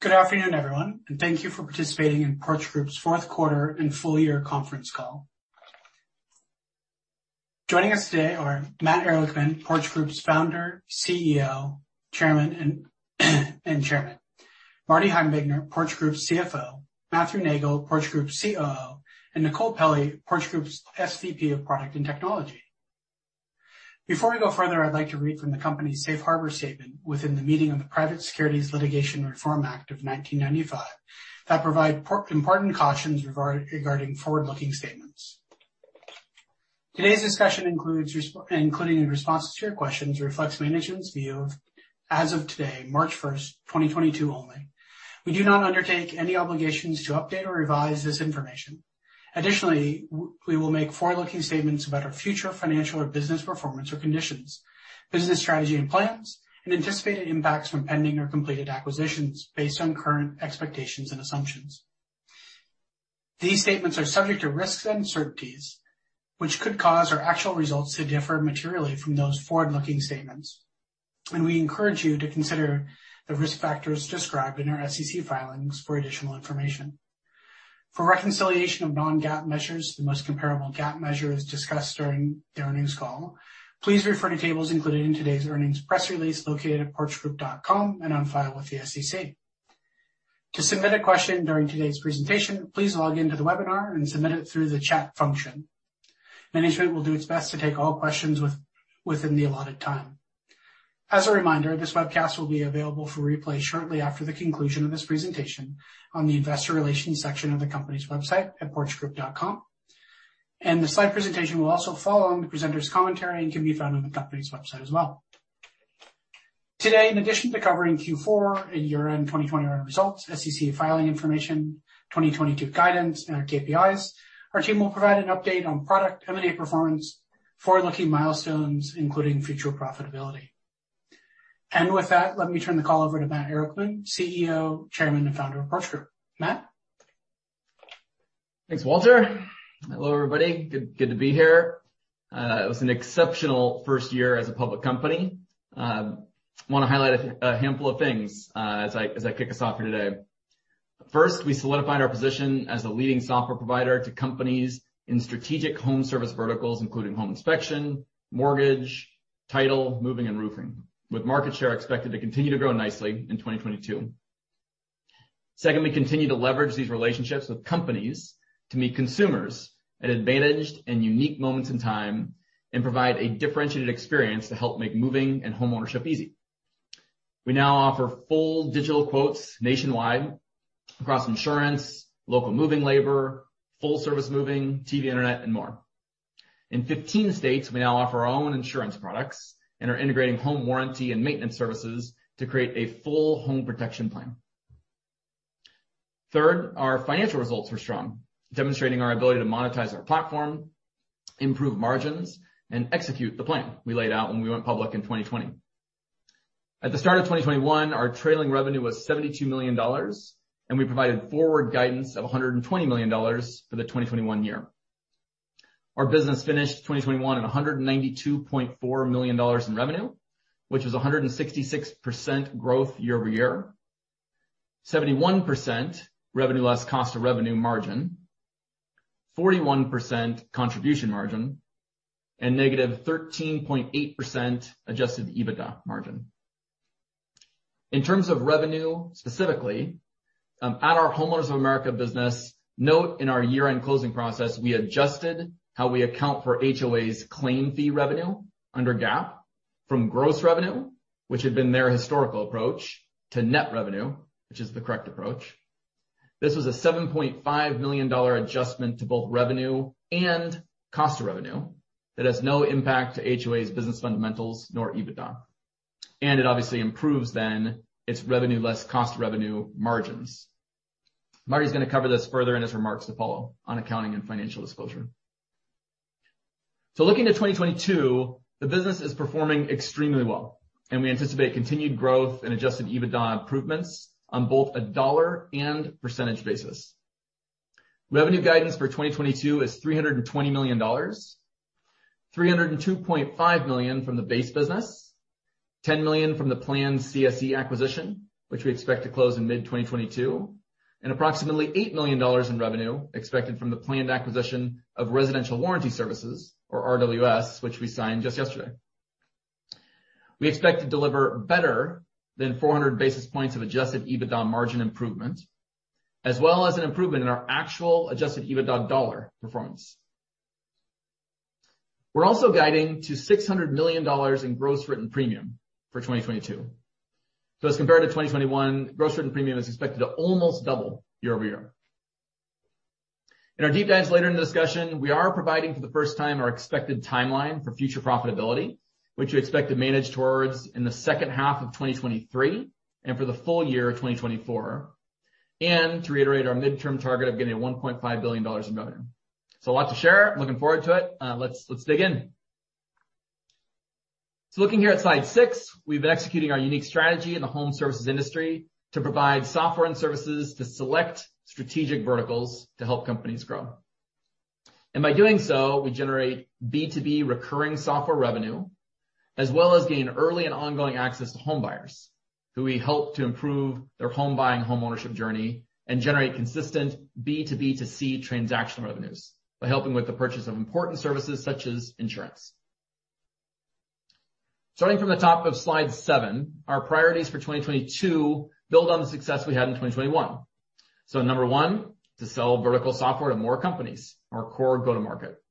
Good afternoon, everyone, and thank you for participating in Porch Group's fourth quarter and full year conference call. Joining us today are Matt Ehrlichman, Porch Group's Founder, CEO, and Chairman. Marty Heimbigner, Porch Group's CFO. Matthew Neagle, Porch Group's COO. And Nicole Pelley, Porch Group's SVP of Product and Technology. Before we go further, I'd like to read from the company's safe harbor statement within the meaning of the Private Securities Litigation Reform Act of 1995 that provide important cautions regarding forward-looking statements. Today's discussion, including in responses to your questions, reflects management's view as of today, March 1st, 2022 only. We do not undertake any obligations to update or revise this information. Additionally, we will make forward-looking statements about our future financial or business performance or conditions, business strategy and plans, and anticipated impacts from pending or completed acquisitions based on current expectations and assumptions. These statements are subject to risks and uncertainties, which could cause our actual results to differ materially from those forward-looking statements. We encourage you to consider the risk factors described in our SEC filings for additional information. For reconciliation of non-GAAP measures, the most comparable GAAP measure is discussed during the earnings call. Please refer to tables included in today's earnings press release located at porchgroup.com and on file with the SEC. To submit a question during today's presentation, please log in to the webinar and submit it through the chat function. Management will do its best to take all questions within the allotted time. As a reminder, this webcast will be available for replay shortly after the conclusion of this presentation on the investor relations section of the company's website at porchgroup.com. The slide presentation will also follow on the presenter's commentary and can be found on the company's website as well. Today, in addition to covering Q4 and year-end 2020 results, SEC filing information, 2022 guidance, and our KPIs, our team will provide an update on product M&A performance, forward-looking milestones, including future profitability. With that, let me turn the call over to Matt Ehrlichman, CEO, Chairman, and Founder of Porch Group. Matt? Thanks, Walter. Hello, everybody. Good to be here. It was an exceptional first year as a public company. I wanna highlight a handful of things as I kick us off here today. First, we solidified our position as a leading software provider to companies in strategic home service verticals, including home inspection, mortgage, title, moving, and roofing, with market share expected to continue to grow nicely in 2022. Second, we continue to leverage these relationships with companies to meet consumers at advantaged and unique moments in time, and provide a differentiated experience to help make moving and homeownership easy. We now offer full digital quotes nationwide across insurance, local moving labor, full service moving, TV, Internet, and more. In 15 states, we now offer our own insurance products and are integrating home warranty and maintenance services to create a full home protection plan. Third, our financial results were strong, demonstrating our ability to monetize our platform, improve margins, and execute the plan we laid out when we went public in 2020. At the start of 2021, our trailing revenue was $72 million, and we provided forward guidance of $120 million for the 2021 year. Our business finished 2021 at $192.4 million in revenue, which is a 166% growth year-over-year, 71% revenue less cost of revenue margin, 41% contribution margin, and -13.8% adjusted EBITDA margin. In terms of revenue, specifically, at our Homeowners of America business, note in our year-end closing process, we adjusted how we account for HOA's claim fee revenue under GAAP from gross revenue, which had been their historical approach, to net revenue, which is the correct approach. This was a $7.5 million adjustment to both revenue and cost of revenue that has no impact to HOA's business fundamentals nor EBITDA. It obviously improves then its revenue less cost of revenue margins. Marty's gonna cover this further in his remarks to follow on accounting and financial disclosure. Looking to 2022, the business is performing extremely well, and we anticipate continued growth and adjusted EBITDA improvements on both a dollar and percentage basis. Revenue guidance for 2022 is $320 million, $302.5 million from the base business, $10 million from the planned CSE acquisition, which we expect to close in mid-2022, and approximately $8 million in revenue expected from the planned acquisition of Residential Warranty Services or RWS, which we signed just yesterday. We expect to deliver better than 400 basis points of adjusted EBITDA margin improvement, as well as an improvement in our actual adjusted EBITDA dollar performance. We're also guiding to $600 million in gross written premium for 2022. As compared to 2021, gross written premium is expected to almost double year-over-year. In our deep dives later in the discussion, we are providing for the first time our expected timeline for future profitability, which we expect to manage towards in the second half of 2023 and for the full year of 2024, and to reiterate our midterm target of getting $1.5 billion in revenue. A lot to share. Looking forward to it. Let's dig in. Looking here at Slide 6, we've been executing our unique strategy in the home services industry to provide software and services to select strategic verticals to help companies grow. By doing so, we generate B2B recurring software revenue, as well as gain early and ongoing access to home buyers who we help to improve their home buying home ownership journey and generate consistent B2B2C transaction revenues by helping with the purchase of important services such as insurance. Starting from the top of Slide 7, our priorities for 2022 build on the success we had in 2021. Number one, to sell vertical software to more companies, our core go-to-market.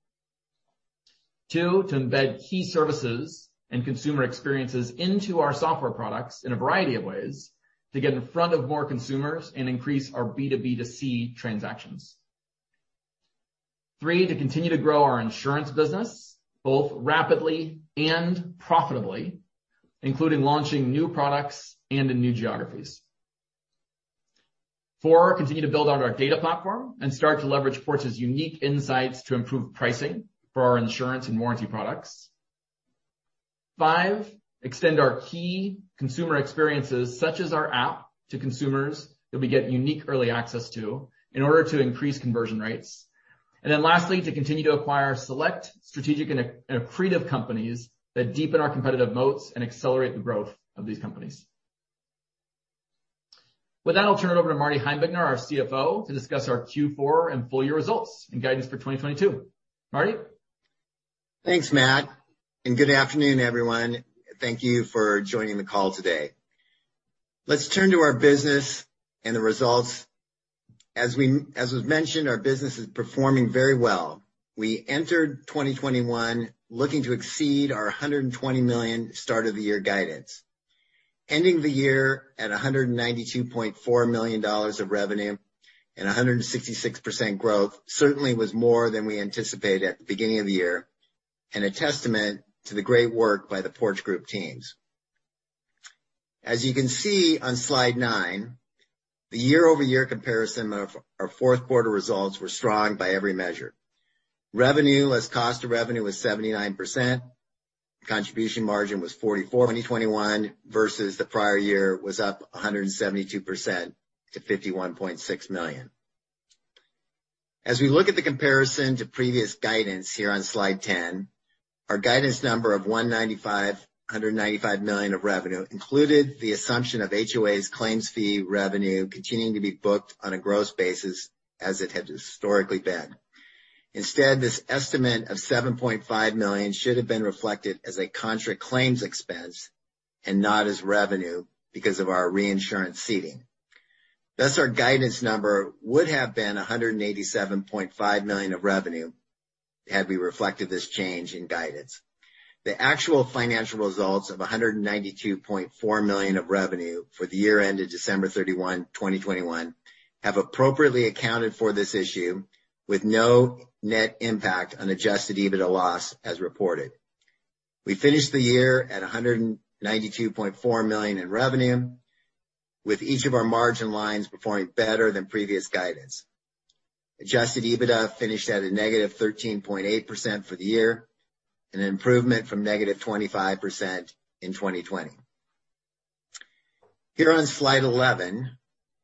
Two, to embed key services and consumer experiences into our software products in a variety of ways to get in front of more consumers and increase our B2B2C transactions. Three, to continue to grow our insurance business, both rapidly and profitably, including launching new products and in new geographies. Four, continue to build out our data platform and start to leverage Porch's unique insights to improve pricing for our insurance and warranty products. Five, extend our key consumer experiences, such as our app, to consumers that we get unique early access to in order to increase conversion rates. Lastly, to continue to acquire select strategic and accretive companies that deepen our competitive moats and accelerate the growth of these companies. With that, I'll turn it over to Marty Heimbigner, our CFO, to discuss our Q4 and full year results and guidance for 2022. Marty? Thanks, Matt, and good afternoon, everyone. Thank you for joining the call today. Let's turn to our business and the results. As we, as was mentioned, our business is performing very well. We entered 2021 looking to exceed our $120 million start of the year guidance. Ending the year at $192.4 million of revenue and 166% growth certainly was more than we anticipated at the beginning of the year, and a testament to the great work by the Porch Group teams. As you can see on Slide 9, the year-over-year comparison of our fourth quarter results were strong by every measure. Revenue less cost of revenue was 79%. Contribution margin 2021 versus the prior year was up 172% to $51.6 million. As we look at the comparison to previous guidance here on Slide 10, our guidance number of $195 million of revenue included the assumption of HOA's claims fee revenue continuing to be booked on a gross basis as it had historically been. Instead, this estimate of $7.5 million should have been reflected as a contra claims expense and not as revenue because of our reinsurance ceding. Thus, our guidance number would have been $187.5 million of revenue had we reflected this change in guidance. The actual financial results of $192.4 million of revenue for the year ended December 31, 2021 have appropriately accounted for this issue with no net impact on adjusted EBITDA loss as reported. We finished the year at $192.4 million in revenue, with each of our margin lines performing better than previous guidance. Adjusted EBITDA finished at -13.8% for the year and an improvement from -25% in 2020. Here on Slide 11,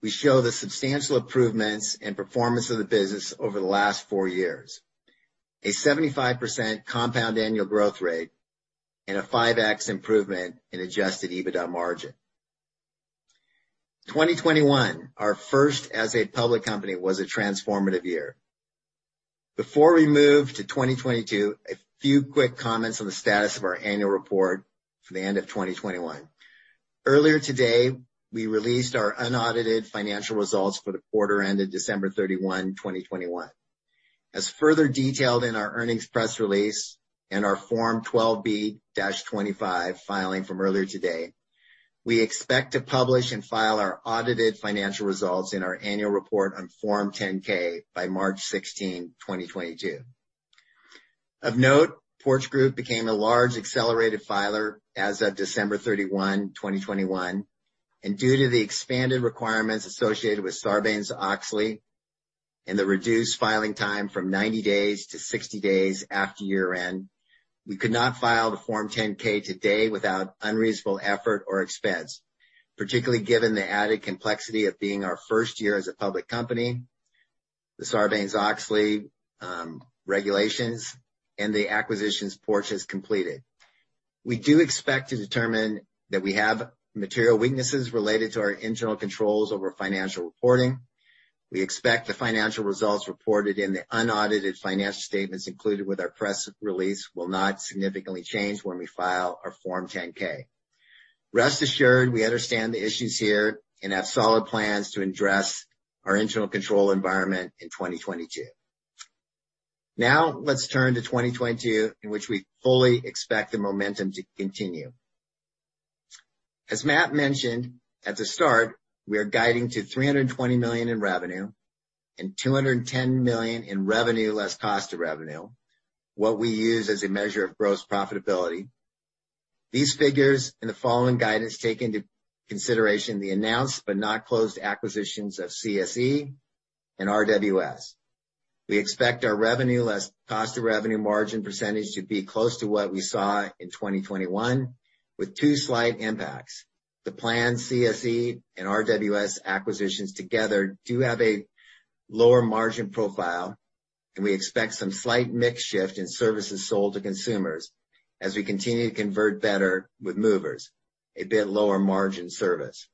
we show the substantial improvements in performance of the business over the last four years. A 75% compound annual growth rate and a 5x improvement in adjusted EBITDA margin. 2021, our first as a public company, was a transformative year. Before we move to 2022, a few quick comments on the status of our annual report for the end of 2021. Earlier today, we released our unaudited financial results for the quarter ended December 31, 2021. As further detailed in our earnings press release and our Form 12b-25 filing from earlier today, we expect to publish and file our audited financial results in our annual report on Form 10-K by March 16, 2022. Of note, Porch Group became a large accelerated filer as of December 31, 2021. Due to the expanded requirements associated with Sarbanes-Oxley and the reduced filing time from 90 days to 60 days after year-end, we could not file the Form 10-K today without unreasonable effort or expense, particularly given the added complexity of being our first year as a public company, the Sarbanes-Oxley regulations, and the acquisitions Porch has completed. We do expect to determine that we have material weaknesses related to our internal controls over financial reporting. We expect the financial results reported in the unaudited financial statements included with our press release will not significantly change when we file our Form 10-K. Rest assured, we understand the issues here and have solid plans to address our internal control environment in 2022. Now let's turn to 2022, in which we fully expect the momentum to continue. As Matt mentioned at the start, we are guiding to $320 million in revenue and $210 million in revenue less cost of revenue, what we use as a measure of gross profitability. These figures in the following guidance take into consideration the announced but not closed acquisitions of CSE and RWS. We expect our revenue less cost of revenue margin percentage to be close to what we saw in 2021, with two slight impacts. The planned CSE and RWS acquisitions together do have a lower margin profile, and we expect some slight mix shift in services sold to consumers as we continue to convert better with movers, a bit lower margin service.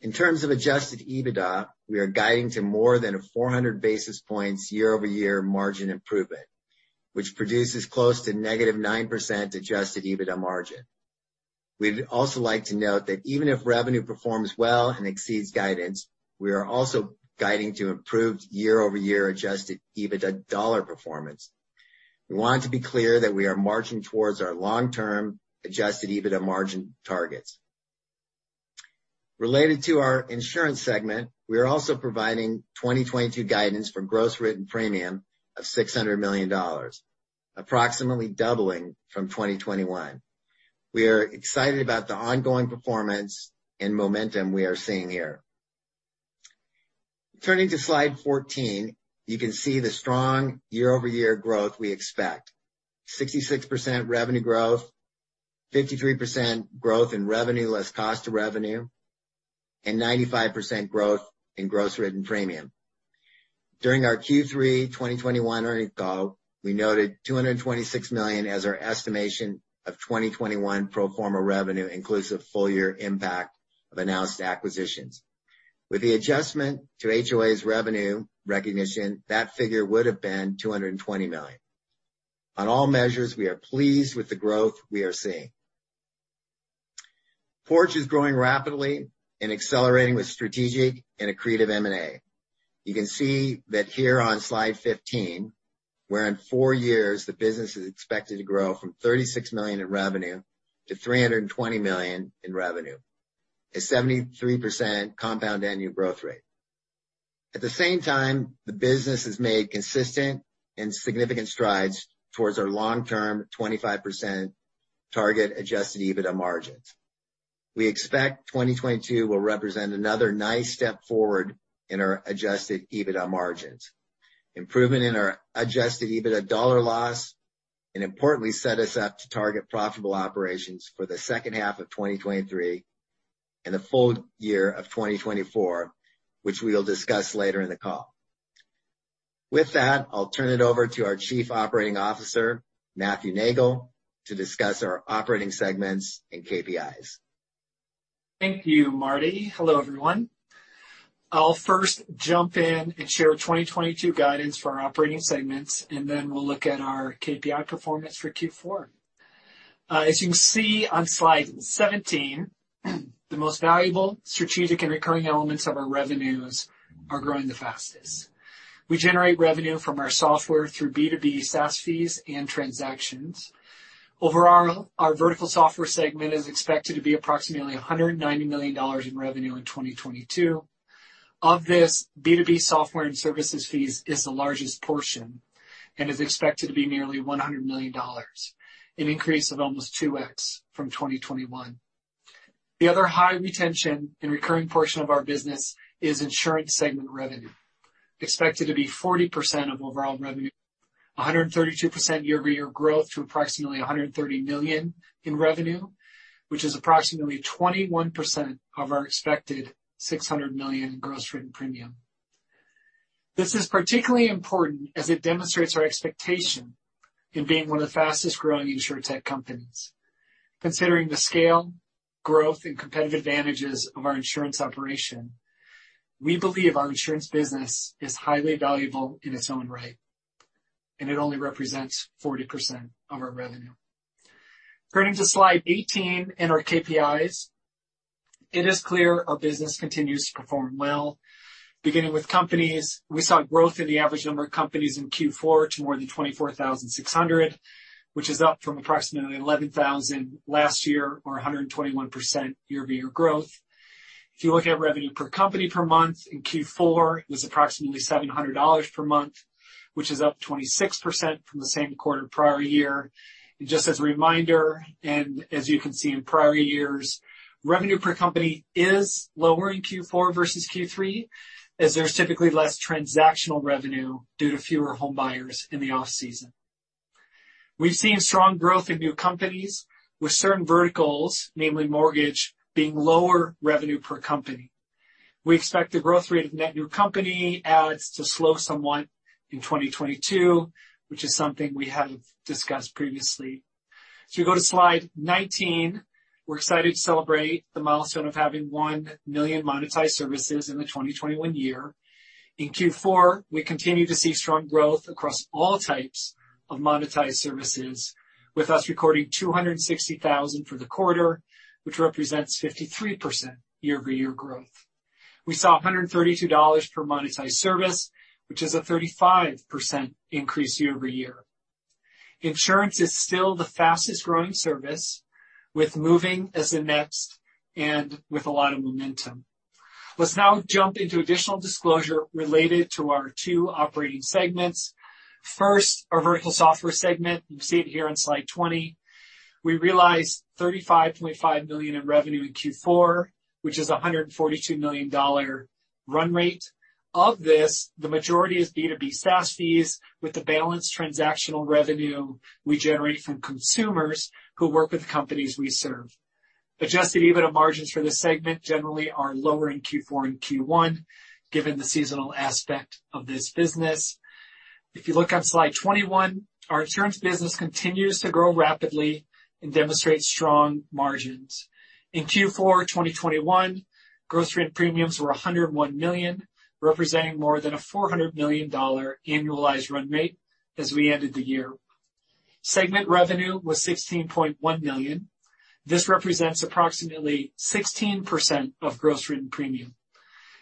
In terms of adjusted EBITDA, we are guiding to more than 400 basis points year-over-year margin improvement, which produces close to -9% adjusted EBITDA margin. We'd also like to note that even if revenue performs well and exceeds guidance, we are also guiding to improved year-over-year adjusted EBITDA dollar performance. We want to be clear that we are marching towards our long-term adjusted EBITDA margin targets. Related to our Insurance segment, we are also providing 2022 guidance for gross written premium of $600 million, approximately doubling from 2021. We are excited about the ongoing performance and momentum we are seeing here. Turning to Slide 14, you can see the strong year-over-year growth we expect. 66% revenue growth, 53% growth in revenue less cost of revenue, and 95% growth in gross written premium. During our Q3 2021 earnings call, we noted $226 million as our estimation of 2021 pro forma revenue inclusive full year impact of announced acquisitions. With the adjustment to HOA's revenue recognition, that figure would have been $220 million. On all measures, we are pleased with the growth we are seeing. Porch is growing rapidly and accelerating with strategic and accretive M&A. You can see that here on Slide 15, where in four years, the business is expected to grow from $36 million in revenue to $320 million in revenue, a 73% compound annual growth rate. At the same time, the business has made consistent and significant strides towards our long-term 25% target adjusted EBITDA margins. We expect 2022 will represent another nice step forward in our adjusted EBITDA margins, improvement in our adjusted EBITDA dollar loss, and importantly, set us up to target profitable operations for the second half of 2023 and the full year of 2024, which we will discuss later in the call. With that, I'll turn it over to our Chief Operating Officer, Matthew Neagle, to discuss our operating segments and KPIs. Thank you, Marty. Hello, everyone. I'll first jump in and share 2022 guidance for our operating segments, and then we'll look at our KPI performance for Q4. As you can see on Slide 17, the most valuable strategic and recurring elements of our revenues are growing the fastest. We generate revenue from our software through B2B SaaS fees and transactions. Overall, our Vertical Software segment is expected to be approximately $190 million in revenue in 2022. Of this, B2B software and services fees is the largest portion and is expected to be nearly $100 million, an increase of almost 2x from 2021. The other high retention and recurring portion of our business is Insurance segment revenue, expected to be 40% of overall revenue, 132% year-over-year growth to approximately $130 million in revenue, which is approximately 21% of our expected $600 million in gross written premium. This is particularly important as it demonstrates our expectation in being one of the fastest-growing insurtech companies. Considering the scale, growth, and competitive advantages of our insurance operation, we believe our insurance business is highly valuable in its own right, and it only represents 40% of our revenue. Turning to Slide 18 in our KPIs, it is clear our business continues to perform well. Beginning with companies, we saw growth in the average number of companies in Q4 to more than 24,600, which is up from approximately 11,000 last year or 121% year-over-year growth. If you look at revenue per company per month in Q4, it was approximately $700 per month, which is up 26% from the same quarter prior year. Just as a reminder, and as you can see in prior years, revenue per company is lower in Q4 versus Q3, as there's typically less transactional revenue due to fewer home buyers in the off-season. We've seen strong growth in new companies with certain verticals, namely mortgage, being lower revenue per company. We expect the growth rate of net new company adds to slow somewhat in 2022, which is something we haven't discussed previously. If you go to Slide 19, we're excited to celebrate the milestone of having 1 million monetized services in the 2021 year. In Q4, we continue to see strong growth across all types of monetized services, with us recording 260,000 for the quarter, which represents 53% year-over-year growth. We saw $132 per monetized service, which is a 35% increase year-over-year. Insurance is still the fastest growing service, with moving as the next and with a lot of momentum. Let's now jump into additional disclosure related to our two operating segments. First, our Vertical Software segment. You can see it here on Slide 20. We realized $35.5 million in revenue in Q4, which is a $142 million run rate. Of this, the majority is B2B SaaS fees, with the balance transactional revenue we generate from consumers who work with the companies we serve. Adjusted EBITDA margins for this segment generally are lower in Q4 and Q1, given the seasonal aspect of this business. If you look on Slide 21, our insurance business continues to grow rapidly and demonstrates strong margins. In Q4 2021, gross written premiums were $101 million, representing more than a $400 million annualized run rate as we ended the year. Segment revenue was $16.1 million. This represents approximately 16% of gross written premium.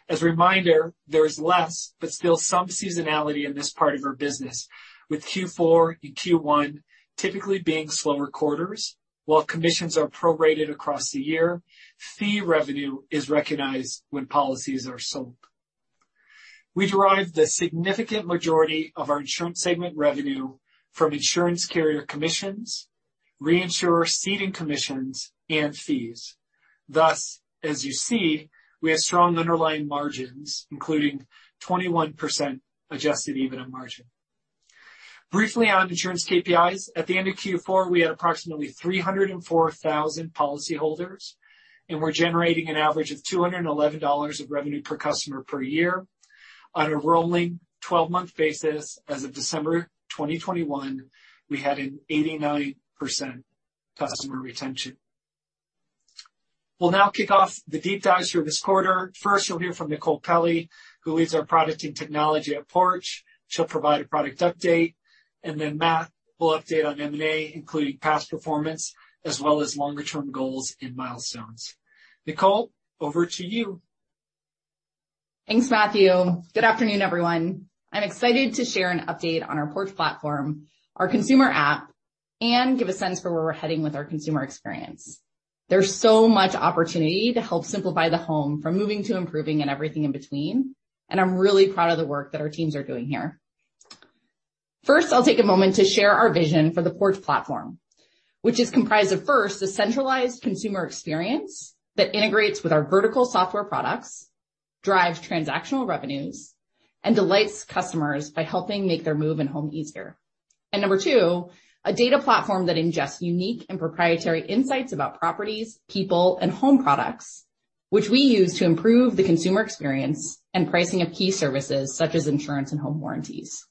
As a reminder, there is less but still some seasonality in this part of our business, with Q4 and Q1 typically being slower quarters, while commissions are prorated across the year, fee revenue is recognized when policies are sold. We derive the significant majority of our Insurance segment revenue from insurance carrier commissions, reinsurer ceding commissions, and fees. Thus, as you see, we have strong underlying margins, including 21% adjusted EBITDA margin. Briefly on insurance KPIs. At the end of Q4, we had approximately 304,000 policyholders, and we're generating an average of $211 of revenue per customer per year. On a rolling 12-month basis as of December 2021, we had an 89% customer retention. We'll now kick off the deep dives for this quarter. First, you'll hear from Nicole Pelley, who leads our product and technology at Porch. She'll provide a product update, and then Matt will update on M&A, including past performance, as well as longer-term goals and milestones. Nicole, over to you. Thanks, Matthew. Good afternoon, everyone. I'm excited to share an update on our Porch platform, our consumer app, and give a sense for where we're heading with our consumer experience. There's so much opportunity to help simplify the home from moving to improving and everything in between, and I'm really proud of the work that our teams are doing here. First, I'll take a moment to share our vision for the Porch platform, which is comprised of, first, the centralized consumer experience that integrates with our vertical software products, drives transactional revenues, and delights customers by helping make their move and home easier. Number two, a data platform that ingests unique and proprietary insights about properties, people, and home products, which we use to improve the consumer experience and pricing of key services such as insurance and home warranties.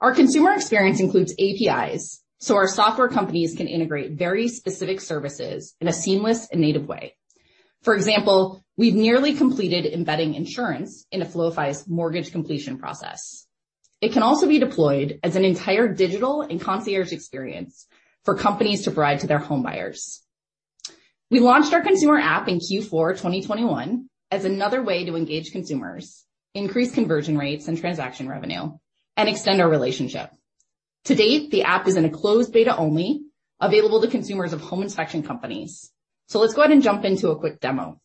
Our consumer experience includes APIs, so our software companies can integrate very specific services in a seamless and native way. For example, we've nearly completed embedding insurance in a Floify's mortgage completion process. It can also be deployed as an entire digital and concierge experience for companies to provide to their home buyers. We launched our consumer app in Q4 2021 as another way to engage consumers, increase conversion rates and transaction revenue, and extend our relationship. To date, the app is in a closed beta only, available to consumers of home inspection companies. Let's go ahead and jump into a quick demo.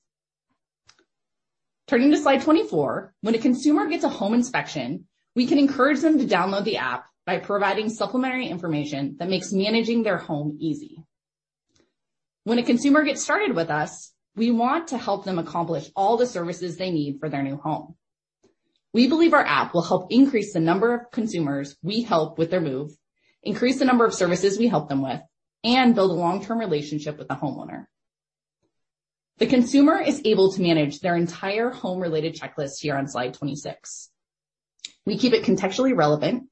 Turning to Slide 24, when a consumer gets a home inspection, we can encourage them to download the app by providing supplementary information that makes managing their home easy. When a consumer gets started with us, we want to help them accomplish all the services they need for their new home. We believe our app will help increase the number of consumers we help with their move, increase the number of services we help them with, and build a long-term relationship with the homeowner. The consumer is able to manage their entire home-related checklist here on Slide 26. We keep it contextually relevant,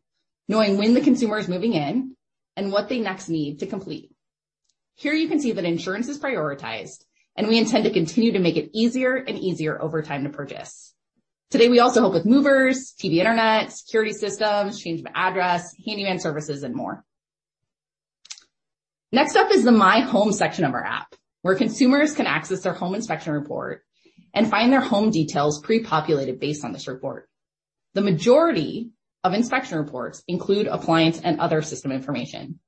knowing when the consumer is moving in and what they next need to complete. Here you can see that insurance is prioritized, and we intend to continue to make it easier and easier over time to purchase. Today, we also help with movers, TV internet, security systems, change of address, handyman services, and more. Next up is the My Home section of our app, where consumers can access their home inspection report and find their home details pre-populated based on this report. The majority of inspection reports include appliance and other system information.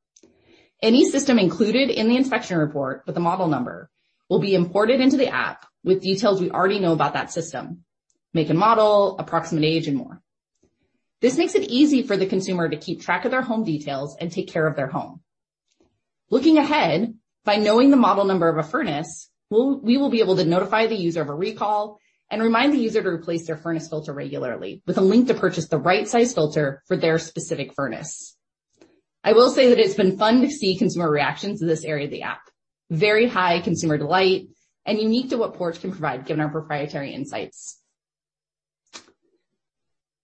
Any system included in the inspection report with a model number will be imported into the app with details we already know about that system, make and model, approximate age, and more. This makes it easy for the consumer to keep track of their home details and take care of their home. Looking ahead, by knowing the model number of a furnace, we will be able to notify the user of a recall and remind the user to replace their furnace filter regularly with a link to purchase the right size filter for their specific furnace. I will say that it's been fun to see consumer reactions to this area of the app. Very high consumer delight and unique to what Porch can provide given our proprietary insights.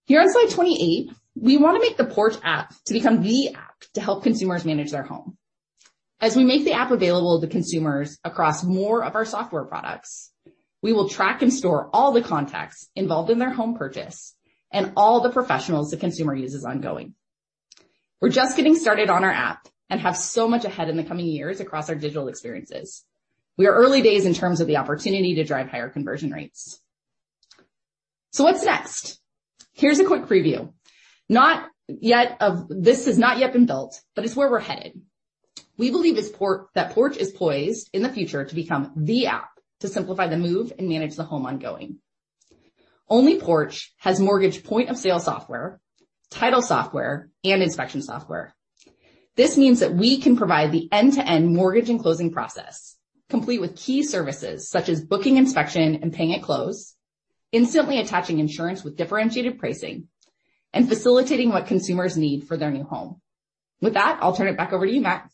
Here on Slide 28, we want to make the Porch app to become the app to help consumers manage their home. As we make the app available to consumers across more of our software products, we will track and store all the contacts involved in their home purchase and all the professionals the consumer uses ongoing. We're just getting started on our app and have so much ahead in the coming years across our digital experiences. We are early days in terms of the opportunity to drive higher conversion rates. What's next? Here's a quick preview. This has not yet been built, but it's where we're headed. We believe that Porch is poised in the future to become the app to simplify the move and manage the home ongoing. Only Porch has mortgage point-of-sale software, title software and inspection software. This means that we can provide the end-to-end mortgage and closing process, complete with key services such as booking inspection and paying at close, instantly attaching insurance with differentiated pricing and facilitating what consumers need for their new home. With that, I'll turn it back over to you, Matt.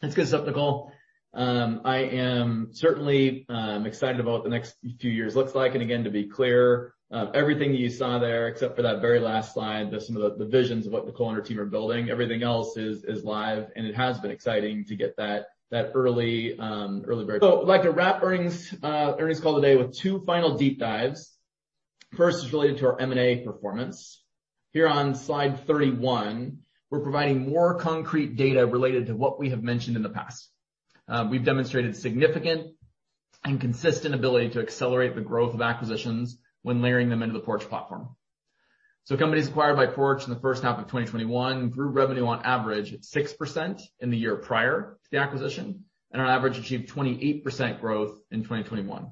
That's good stuff, Nicole. I am certainly excited about what the next few years looks like. Again, to be clear, everything you saw there, except for that very last slide, that's some of the visions of what Nicole and her team are building. Everything else is live, and it has been exciting to get that early bird. I'd like to wrap earnings call today with two final deep dives. First is related to our M&A performance. Here on Slide 31, we're providing more concrete data related to what we have mentioned in the past. We've demonstrated significant and consistent ability to accelerate the growth of acquisitions when layering them into the Porch platform. Companies acquired by Porch in the first half of 2021 grew revenue on average 6% in the year prior to the acquisition, and on average, achieved 28% growth in 2021.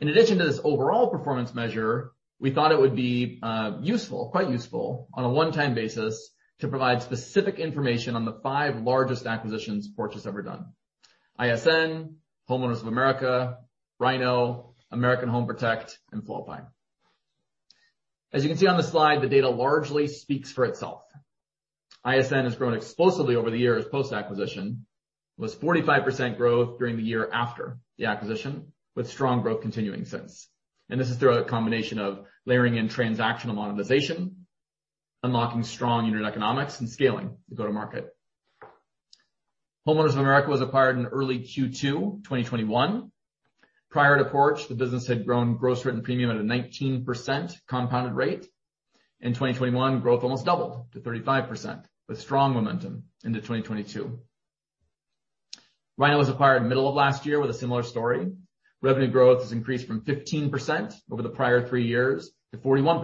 In addition to this overall performance measure, we thought it would be useful, quite useful on a one-time basis to provide specific information on the five largest acquisitions Porch has ever done. ISN, Homeowners of America, Rynoh, American Home Protect, and Floify. As you can see on the slide, the data largely speaks for itself. ISN has grown explosively over the years post-acquisition, with 45% growth during the year after the acquisition, with strong growth continuing since. This is through a combination of layering in transactional monetization, unlocking strong unit economics, and scaling to go to market. Homeowners of America was acquired in early Q2 2021. Prior to Porch, the business had grown gross written premium at a 19% compounded rate. In 2021, growth almost doubled to 35% with strong momentum into 2022. Rynoh was acquired middle of last year with a similar story. Revenue growth has increased from 15% over the prior three years to 41%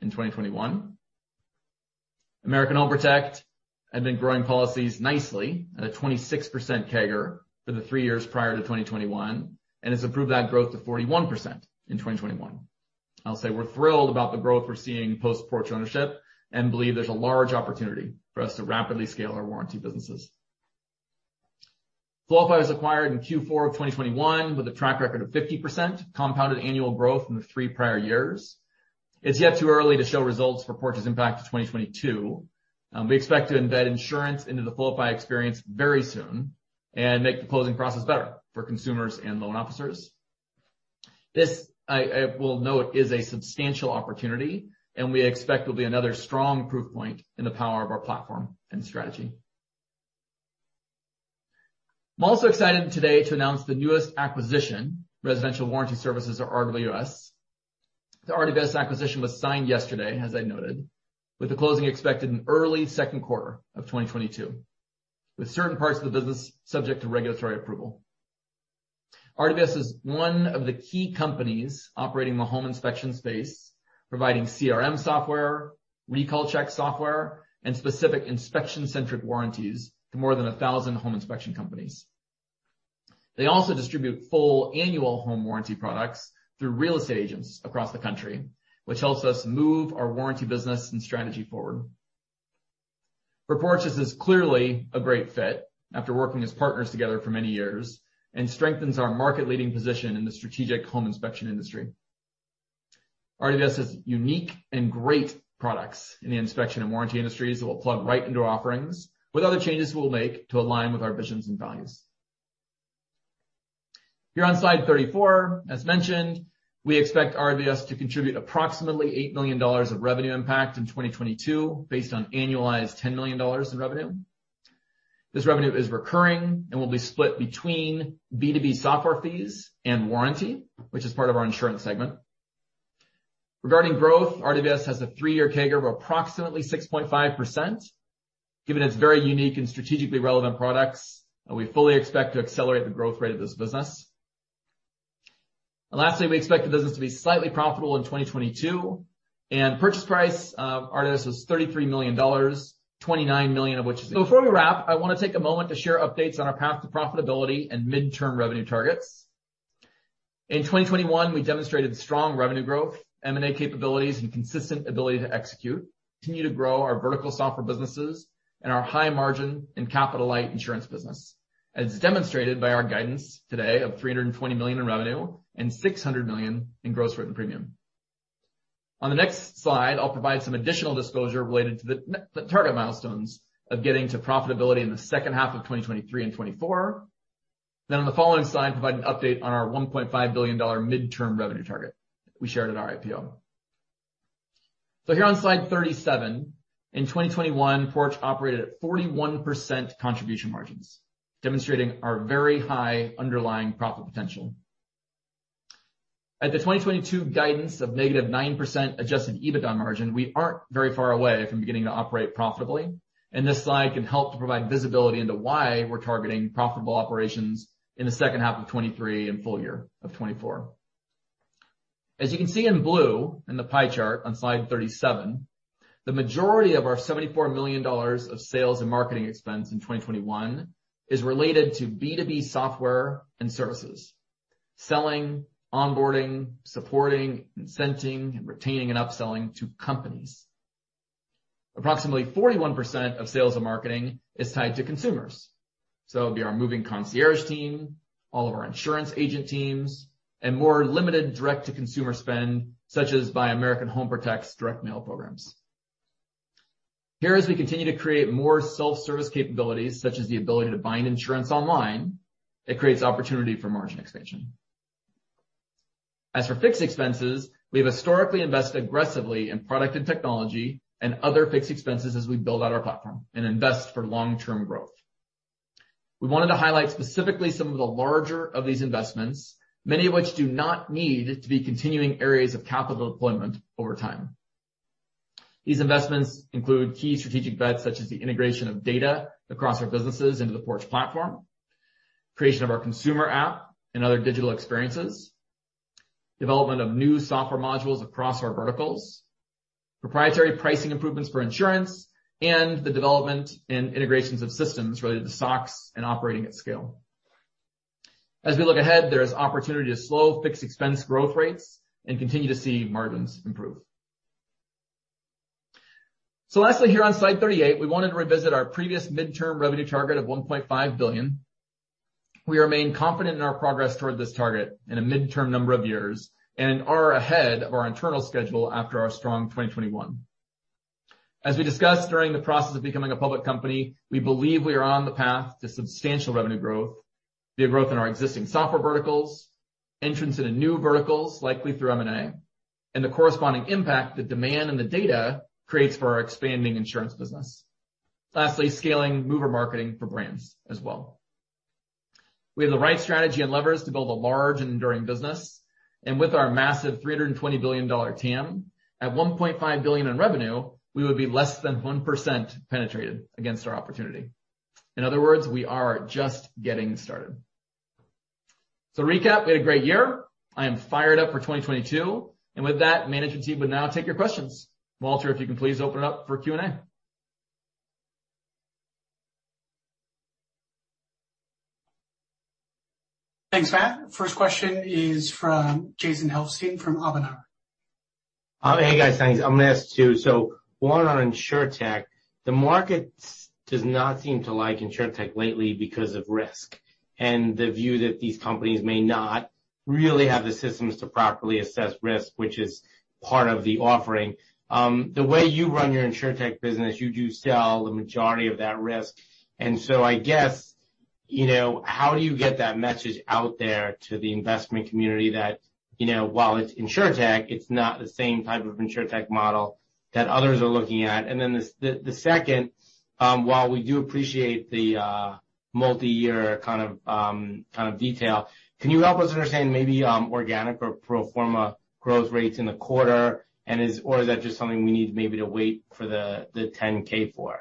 in 2021. American Home Protect had been growing policies nicely at a 26% CAGR for the three years prior to 2021, and has improved that growth to 41% in 2021. I'll say we're thrilled about the growth we're seeing post-Porch ownership and believe there's a large opportunity for us to rapidly scale our warranty businesses. Floify was acquired in Q4 of 2021 with a track record of 50% compounded annual growth from the three prior years. It's too early yet to show results for Porch's impact to 2022. We expect to embed insurance into the Floify experience very soon and make the closing process better for consumers and loan officers. This, I will note, is a substantial opportunity, and we expect will be another strong proof point in the power of our platform and strategy. I'm also excited today to announce the newest acquisition, Residential Warranty Services or RWS. The RWS acquisition was signed yesterday, as I noted, with the closing expected in early second quarter of 2022, with certain parts of the business subject to regulatory approval. RWS is one of the key companies operating the home inspection space, providing CRM software, recall check software, and specific inspection-centric warranties to more than 1,000 home inspection companies. They also distribute full annual home warranty products through real estate agents across the country, which helps us move our warranty business and strategy forward. For Porch, this is clearly a great fit after working as partners together for many years and strengthens our market-leading position in the strategic home inspection industry. RWS has unique and great products in the inspection and warranty industries that will plug right into our offerings with other changes we'll make to align with our visions and values. Here on Slide 34, as mentioned, we expect RWS to contribute approximately $8 million of revenue impact in 2022, based on annualized $10 million in revenue. This revenue is recurring and will be split between B2B software fees and warranty, which is part of our Insurance segment. Regarding growth, RWS has a three-year CAGR of approximately 6.5%. Given its very unique and strategically relevant products, we fully expect to accelerate the growth rate of this business. Lastly, we expect the business to be slightly profitable in 2022. Purchase price of RWS was $33 million, $29 million of which. Before we wrap, I wanna take a moment to share updates on our path to profitability and midterm revenue targets. In 2021, we demonstrated strong revenue growth, M&A capabilities, and consistent ability to execute, continue to grow our vertical software businesses and our high margin and capital-light insurance business. As demonstrated by our guidance today of $320 million in revenue and $600 million in gross written premium. On the next slide, I'll provide some additional disclosure related to the target milestones of getting to profitability in the second half of 2023 and 2024. On the following slide, provide an update on our $1.5 billion midterm revenue target we shared at our IPO. Here on Slide 37, in 2021, Porch operated at 41% contribution margins, demonstrating our very high underlying profit potential. At the 2022 guidance of -9% adjusted EBITDA margin, we aren't very far away from beginning to operate profitably, and this slide can help to provide visibility into why we're targeting profitable operations in the second half of 2023 and full year of 2024. As you can see in blue in the pie chart on Slide 37. The majority of our $74 million of sales and marketing expense in 2021 is related to B2B software and services. Selling, onboarding, supporting, incenting, and retaining and upselling to companies. Approximately 41% of sales and marketing is tied to consumers. It'll be our moving concierge team, all of our insurance agent teams, and more limited direct-to-consumer spend, such as by American Home Protect's direct mail programs. Here, as we continue to create more self-service capabilities, such as the ability to bind insurance online, it creates opportunity for margin expansion. As for fixed expenses, we've historically invested aggressively in product and technology and other fixed expenses as we build out our platform and invest for long-term growth. We wanted to highlight specifically some of the larger of these investments, many of which do not need to be continuing areas of capital deployment over time. These investments include key strategic bets, such as the integration of data across our businesses into the Porch platform, creation of our consumer app and other digital experiences, development of new software modules across our verticals, proprietary pricing improvements for insurance, and the development and integrations of systems related to SOX and operating at scale. As we look ahead, there is opportunity to slow fixed expense growth rates and continue to see margins improve. Lastly, here on Slide 38, we wanted to revisit our previous midterm revenue target of $1.5 billion. We remain confident in our progress toward this target in a midterm number of years and are ahead of our internal schedule after our strong 2021. As we discussed during the process of becoming a public company, we believe we are on the path to substantial revenue growth via growth in our existing software verticals, entrance into new verticals, likely through M&A, and the corresponding impact the demand and the data creates for our expanding insurance business, lastly scaling mover marketing for brands as well. We have the right strategy and levers to build a large enduring business. With our massive $320 billion TAM, at $1.5 billion in revenue, we would be less than 1% penetrated against our opportunity. In other words, we are just getting started. To recap, we had a great year. I am fired up for 2022. With that, management team would now take your questions. Walter, if you can please open it up for Q&A? Thanks, Matt. First question is from Jason Helfstein from Oppenheimer. Hey, guys. Thanks. I'm gonna ask two. One on InsurTech. The market does not seem to like InsurTech lately because of risk and the view that these companies may not really have the systems to properly assess risk, which is part of the offering. The way you run your Insurtech business, you do sell the majority of that risk. I guess, you know, how do you get that message out there to the investment community that, you know, while it's InsurTech, it's not the same type of InsurTech model that others are looking at? Then the second, while we do appreciate the multi-year kind of detail, can you help us understand maybe organic or pro forma growth rates in the quarter? And is... Is that just something we need maybe to wait for the 10-K for?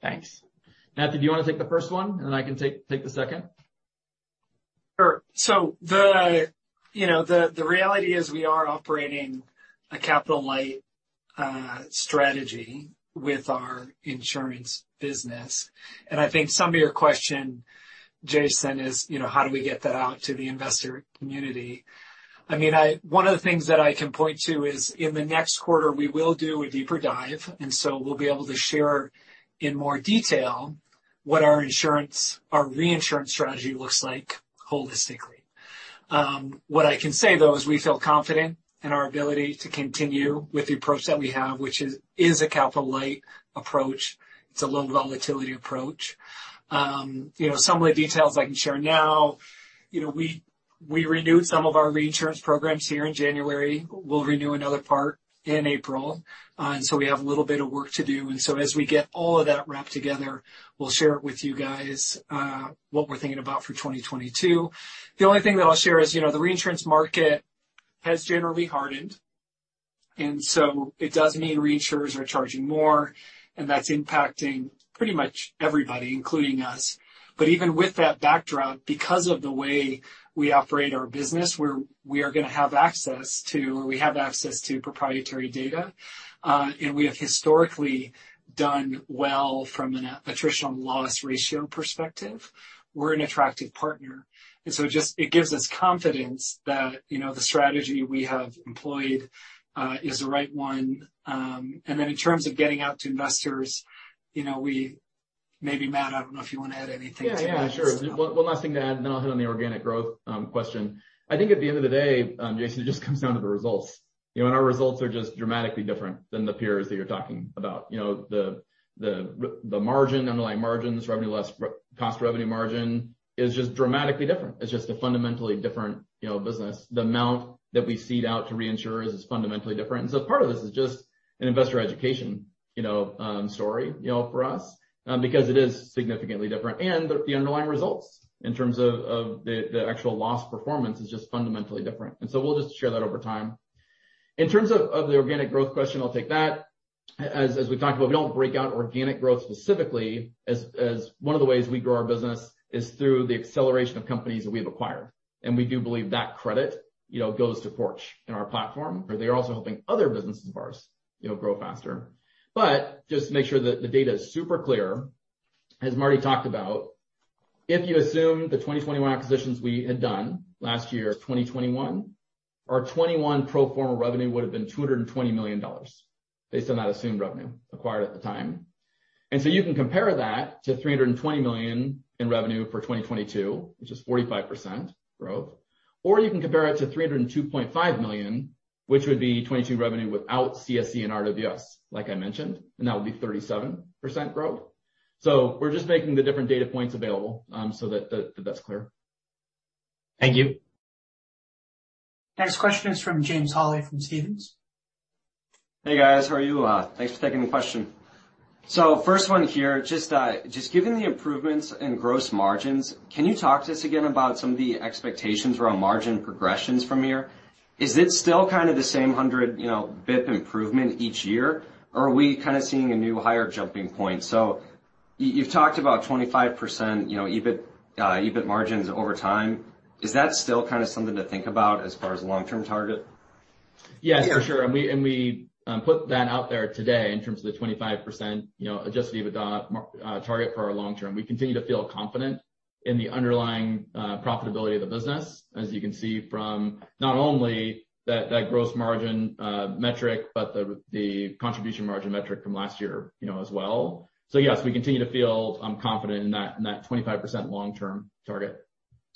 Thanks. Matt, did you wanna take the first one, and then I can take the second? The reality is we are operating a capital light strategy with our insurance business. I think some of your question, Jason, is how do we get that out to the investor community? One of the things that I can point to is, in the next quarter, we will do a deeper dive, we'll be able to share in more detail what our insurance, our reinsurance strategy looks like holistically. What I can say, though, is we feel confident in our ability to continue with the approach that we have, which is a capital light approach. It's a low volatility approach. Some of the details I can share now, we renewed some of our reinsurance programs here in January. We'll renew another part in April. We have a little bit of work to do. As we get all of that wrapped together, we'll share it with you guys, what we're thinking about for 2022. The only thing that I'll share is, you know, the reinsurance market has generally hardened, and so it does mean reinsurers are charging more, and that's impacting pretty much everybody, including us. But even with that backdrop, because of the way we operate our business, we are gonna have access to proprietary data, and we have historically done well from an attrition loss ratio perspective. We're an attractive partner. Just, it gives us confidence that, you know, the strategy we have employed is the right one. in terms of getting out to investors, you know, maybe Matt, I don't know if you wanna add anything to that as well? Yeah, sure. One last thing to add, and then I'll hit on the organic growth question. I think at the end of the day, Jason, it just comes down to the results. You know, our results are just dramatically different than the peers that you're talking about. You know, the margin, underlying margins, revenue less cost of revenue margin is just dramatically different. It's just a fundamentally different business. The amount that we cede out to reinsurers is fundamentally different. Part of this is just an investor education story for us because it is significantly different. The underlying results in terms of the actual loss performance is just fundamentally different. We'll just share that over time. In terms of the organic growth question, I'll take that. As we've talked about, we don't break out organic growth specifically as one of the ways we grow our business is through the acceleration of companies that we have acquired. We do believe that credit, you know, goes to Porch and our platform, where they are also helping other businesses of ours, you know, grow faster. Just to make sure that the data is super clear, as Marty talked about. If you assume the 2021 acquisitions we had done last year, 2021, our 2021 pro forma revenue would have been $220 million based on that assumed revenue acquired at the time. You can compare that to $320 million in revenue for 2022, which is 45% growth. You can compare it to $302.5 million, which would be 2022 revenue without CSE and RWS, like I mentioned, and that would be 37% growth. We're just making the different data points available, so that that's clear. Thank you. Next question is from John Campbell from Stephens. Hey, guys. How are you? Thanks for taking the question. First one here, just given the improvements in gross margins, can you talk to us again about some of the expectations around margin progressions from here? Is it still kind of the same 100, you know, basis points improvement each year, or are we kind of seeing a new higher jumping point? You've talked about 25%, you know, EBIT margins over time. Is that still kind of something to think about as far as long-term target? Yes, for sure. We put that out there today in terms of the 25%, you know, adjusted EBITDA margin target for our long-term. We continue to feel confident in the underlying profitability of the business, as you can see from not only that gross margin metric, but the contribution margin metric from last year, you know, as well. Yes, we continue to feel confident in that 25% long-term target.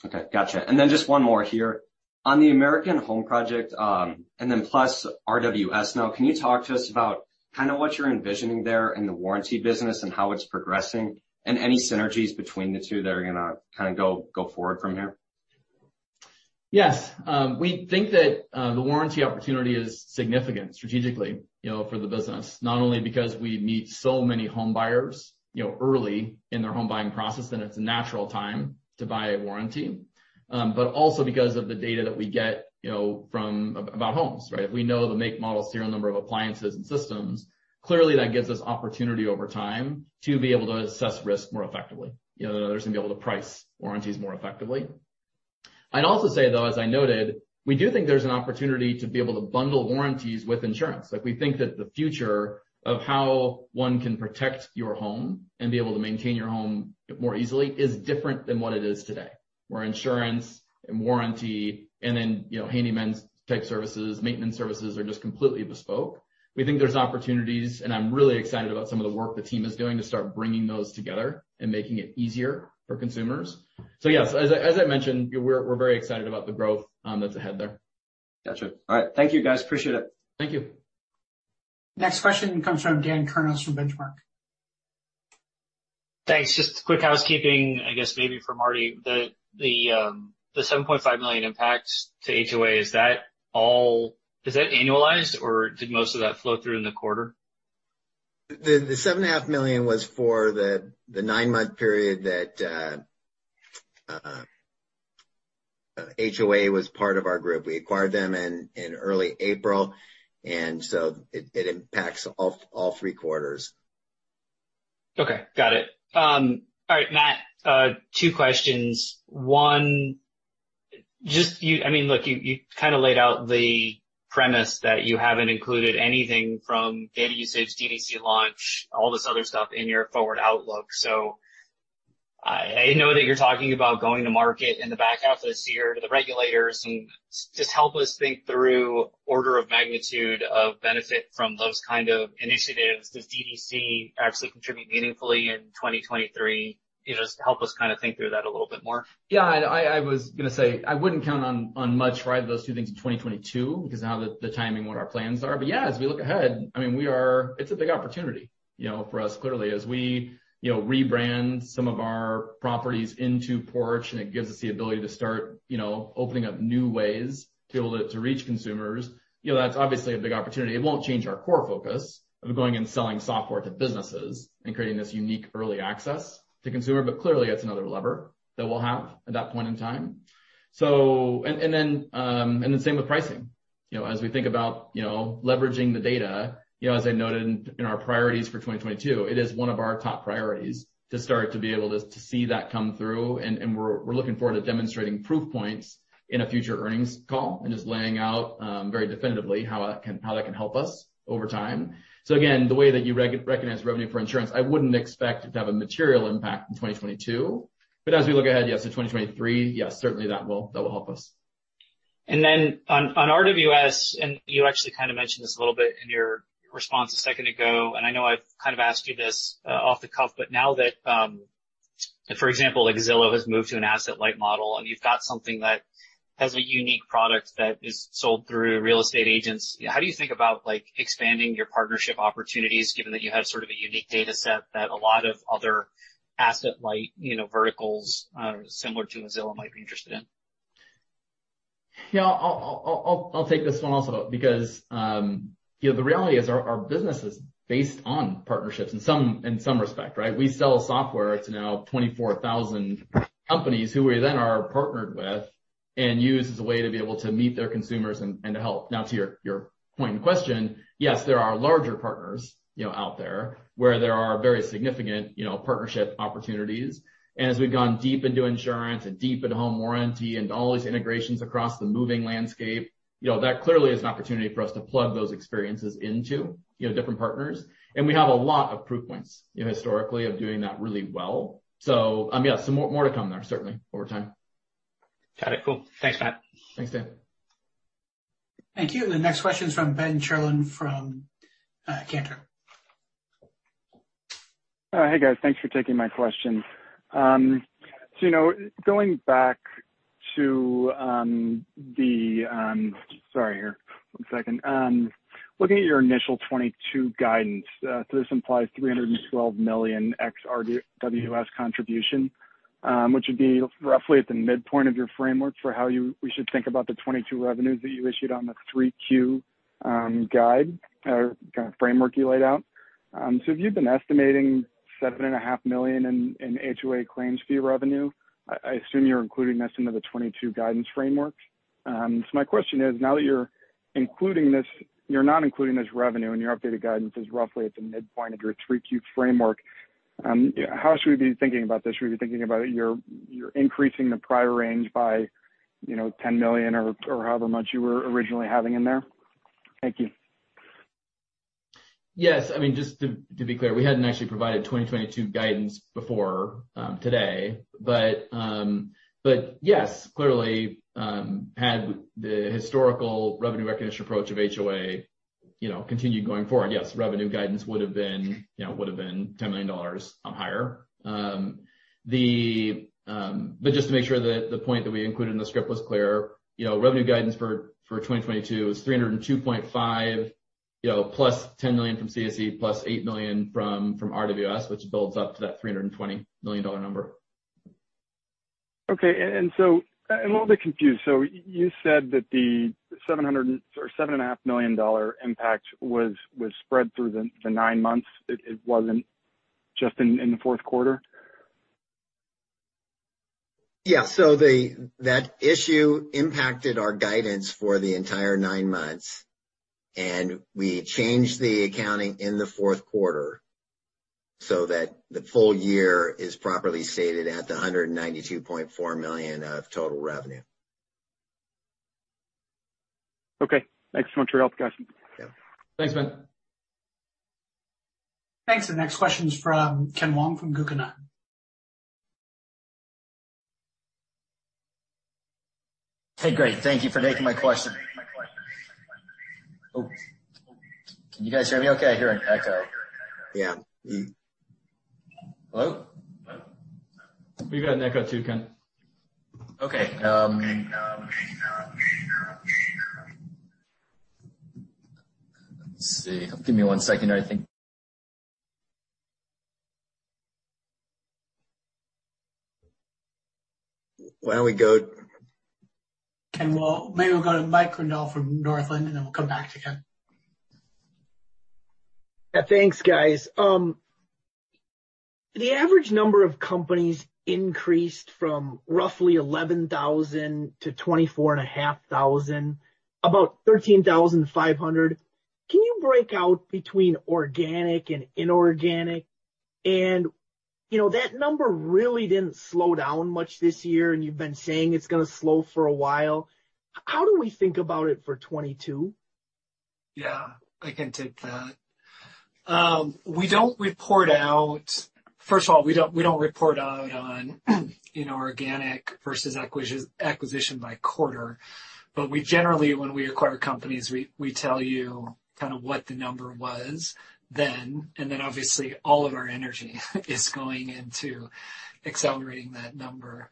Okay. Gotcha. Just one more here. On the American Home Protect, and then plus RWS now, can you talk to us about kind of what you're envisioning there in the warranty business and how it's progressing and any synergies between the two that are gonna kind of go forward from here? Yes. We think that the warranty opportunity is significant strategically, you know, for the business. Not only because we meet so many home buyers, you know, early in their home buying process, and it's a natural time to buy a warranty, but also because of the data that we get, you know, from about homes, right? If we know the make, model, serial number of appliances and systems, clearly that gives us opportunity over time to be able to assess risk more effectively. You know, to also be able to price warranties more effectively. I'd also say, though, as I noted, we do think there's an opportunity to be able to bundle warranties with insurance. Like, we think that the future of how one can protect your home and be able to maintain your home more easily is different than what it is today, where insurance and warranty and then, you know, handymen's type services, maintenance services are just completely bespoke. We think there's opportunities, and I'm really excited about some of the work the team is doing to start bringing those together and making it easier for consumers. Yes, as I mentioned, we're very excited about the growth that's ahead there. Gotcha. All right. Thank you, guys. Appreciate it. Thank you. Next question comes from Dan Kurnos from Benchmark. Thanks. Just quick housekeeping, I guess maybe for Marty? The $7.5 million impact to HOA, is that all annualized or did most of that flow through in the quarter? The $7.5 million was for the nine-month period that HOA was part of our group. We acquired them in early April, and so it impacts all three quarters. Okay, got it. All right, Matt, two questions. One, I mean, look, you kind of laid out the premise that you haven't included anything from data usage, D2C launch, all this other stuff in your forward outlook. I know that you're talking about going to market in the back half of this year to the regulators, and just help us think through order of magnitude of benefit from those kind of initiatives. Does D2C actually contribute meaningfully in 2023? You know, just help us kind of think through that a little bit more. Yeah. I was gonna say I wouldn't count on much right of those two things in 2022 because of how the timing, what our plans are. Yeah, as we look ahead, I mean, It's a big opportunity, you know, for us, clearly. As we, you know, rebrand some of our properties into Porch, and it gives us the ability to start, you know, opening up new ways to be able to reach consumers. You know, that's obviously a big opportunity. It won't change our core focus of going and selling software to businesses and creating this unique early access to consumer, but clearly that's another lever that we'll have at that point in time. Same with pricing. You know, as we think about, you know, leveraging the data, you know, as I noted in our priorities for 2022, it is one of our top priorities to start to be able to see that come through, and we're looking forward to demonstrating proof points in a future earnings call and just laying out very definitively how that can help us over time. Again, the way that you recognize revenue for insurance, I wouldn't expect to have a material impact in 2022. As we look ahead, yes, to 2023, yes, certainly that will help us. Then on RWS, you actually kind of mentioned this a little bit in your response a second ago, and I know I've kind of asked you this off the cuff, but now that, for example, like Zillow has moved to an asset-light model, and you've got something that has a unique product that is sold through real estate agents, how do you think about, like, expanding your partnership opportunities given that you have sort of a unique data set that a lot of other asset-light, you know, verticals similar to Zillow might be interested in? Yeah. I'll take this one also because, you know, the reality is our business is based on partnerships in some respect, right? We sell software to now 24,000 companies who we then are partnered with and use as a way to be able to meet their consumers and to help. Now to your point in question, yes, there are larger partners, you know, out there where there are very significant, you know, partnership opportunities. We've gone deep into insurance and deep into home warranty and all these integrations across the moving landscape, you know, that clearly is an opportunity for us to plug those experiences into, you know, different partners. We have a lot of proof points, you know, historically of doing that really well. Yeah, some more to come there certainly over time. Got it. Cool. Thanks, Matt. Thanks, Dan. Thank you. The next question is from [Ben Charlen] from [Cantor]. Hey, guys. Thanks for taking my question. You know, looking at your initial 2022 guidance, this implies $312 million ex-RWS contribution, which would be roughly at the midpoint of your framework for how we should think about the 2022 revenues that you issued on the Q3 guide or kind of framework you laid out. If you've been estimating $7.5 million in HOA claims fee revenue, I assume you're including this into the 2022 guidance framework. My question is, now that you're not including this revenue, and your updated guidance is roughly at the midpoint of your Q3 framework, how should we be thinking about this? Should we be thinking about you're increasing the prior range by, you know, $10 million or however much you were originally having in there? Thank you. Yes. I mean, just to be clear, we hadn't actually provided 2022 guidance before today. Yes, clearly, had the historical revenue recognition approach of HOA continued going forward, revenue guidance would have been $10 million higher. Just to make sure that the point that we included in the script was clear, you know, revenue guidance for 2022 is $302.5 million +$10 million from CSE, +$8 million from RWS, which builds up to that $320 million number. I'm a little bit confused. You said that the $7.5 million impact was spread through the nine months. It wasn't just in the fourth quarter? That issue impacted our guidance for the entire nine months, and we changed the accounting in the fourth quarter so that the full year is properly stated at $192.4 million of total revenue. Okay. Thanks so much for your help, guys. Yeah. Thanks, Ben. Thanks. The next question is from Ken Wong from Guggenheim. Hey, great. Thank you for taking my question. Oh, can you guys hear me okay? I hear an echo. Yeah. Hello? We've got an echo too, Ken. Okay. Let's see. Give me one second. Why don't we go- Ken, maybe we'll go to Mike Grondahl from Northland, and then we'll come back to Ken. Yeah. Thanks, guys. The average number of companies increased from roughly 11,000 to 24,500, about 13,500. Can you break out between organic and inorganic? You know, that number really didn't slow down much this year, and you've been saying it's gonna slow for a while. How do we think about it for 2022? Yeah, I can take that. First of all, we don't report out on, you know, organic versus acquisition by quarter. We generally, when we acquire companies, we tell you kind of what the number was then, and then obviously all of our energy is going into accelerating that number.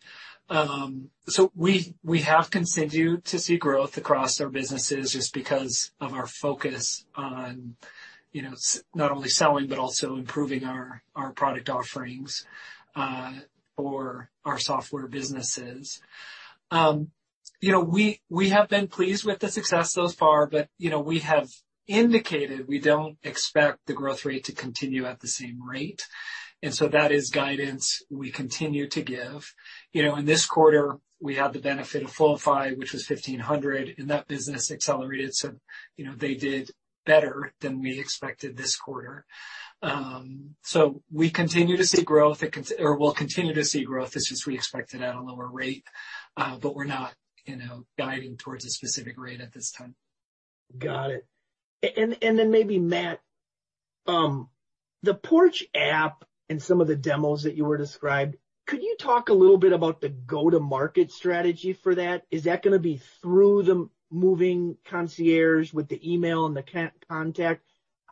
We have continued to see growth across our businesses just because of our focus on, you know, not only selling but also improving our product offerings for our software businesses. You know, we have been pleased with the success thus far, but, you know, we have indicated we don't expect the growth rate to continue at the same rate, and so that is guidance we continue to give. You know, in this quarter, we have the benefit of Floify, which was $1,500, and that business accelerated. You know, they did better than we expected this quarter. We continue to see growth or will continue to see growth. It's just we expect it at a lower rate, but we're not, you know, guiding towards a specific rate at this time. Got it. Maybe Matt, the Porch app and some of the demos that you described, could you talk a little bit about the go-to-market strategy for that? Is that gonna be through the moving concierge with the email and the contact?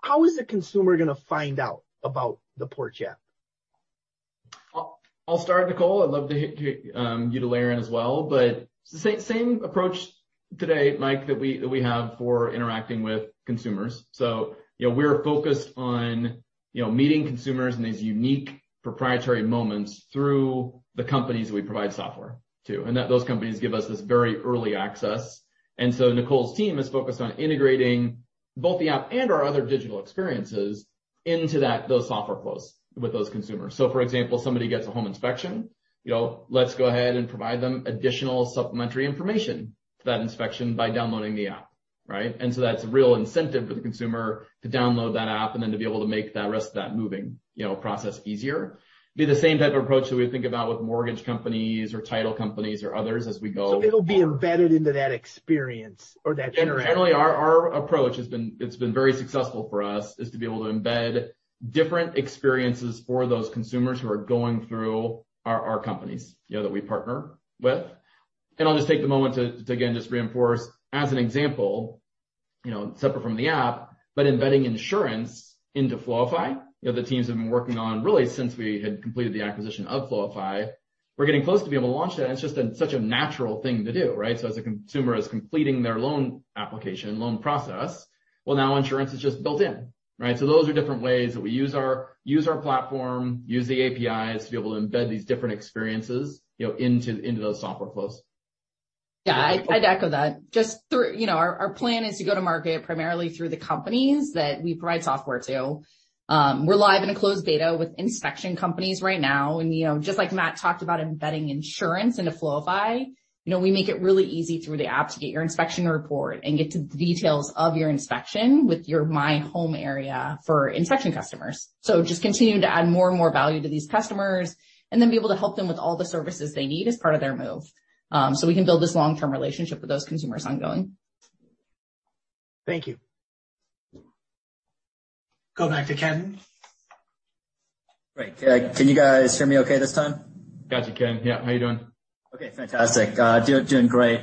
How is the consumer gonna find out about the Porch app? I'll start, Nicole. I'd love to hear you to layer in as well. It's the same approach today, Mike, that we have for interacting with consumers. You know, we're focused on, you know, meeting consumers in these unique proprietary moments through the companies we provide software to, and that those companies give us this very early access. Nicole's team is focused on integrating both the app and our other digital experiences into that, those software flows with those consumers. For example, somebody gets a home inspection, you know, let's go ahead and provide them additional supplementary information to that inspection by downloading the app, right? That's a real incentive for the consumer to download that app and then to be able to make that rest of that moving, you know, process easier. It's the same type of approach that we think about with mortgage companies or title companies or others as we go. It'll be embedded into that experience or that interaction? Generally, our approach has been—it's been very successful for us, is to be able to embed different experiences for those consumers who are going through our companies, you know, that we partner with. I'll just take the moment to, again, just reinforce, as an example. You know, separate from the app, but embedding insurance into Floify, you know, the teams have been working on really since we had completed the acquisition of Floify. We're getting close to be able to launch that, and it's just such a natural thing to do, right? As a consumer is completing their loan application, loan process, well now insurance is just built in, right? Those are different ways that we use our platform, use the APIs to be able to embed these different experiences, you know, into those software flows. Yeah, I'd echo that. Our plan is to go to market primarily through the companies that we provide software to. We're live in a closed beta with inspection companies right now. You know, just like Matt talked about embedding insurance into Floify, you know, we make it really easy through the app to get your inspection report and get to the details of your inspection with your My Home area for inspection customers. Just continuing to add more and more value to these customers and then be able to help them with all the services they need as part of their move, so we can build this long-term relationship with those consumers ongoing. Thank you. Go back to Ken. Great. Can you guys hear me okay this time? Got you, Ken. Yeah, how are you doing? Okay, fantastic. Doing great.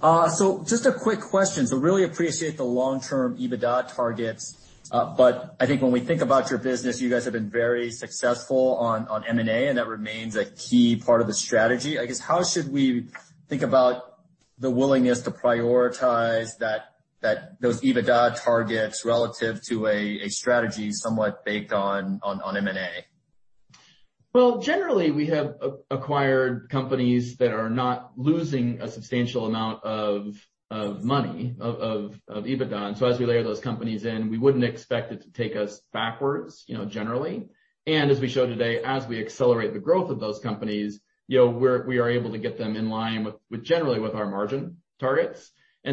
Just a quick question. Really appreciate the long-term EBITDA targets. I think when we think about your business, you guys have been very successful on M&A, and that remains a key part of the strategy. I guess, how should we think about the willingness to prioritize those EBITDA targets relative to a strategy somewhat baked on M&A? Well, generally, we have acquired companies that are not losing a substantial amount of money or EBITDA. As we layer those companies in, we wouldn't expect it to take us backwards, you know, generally. As we showed today, as we accelerate the growth of those companies, you know, we are able to get them in line with, generally, our margin targets.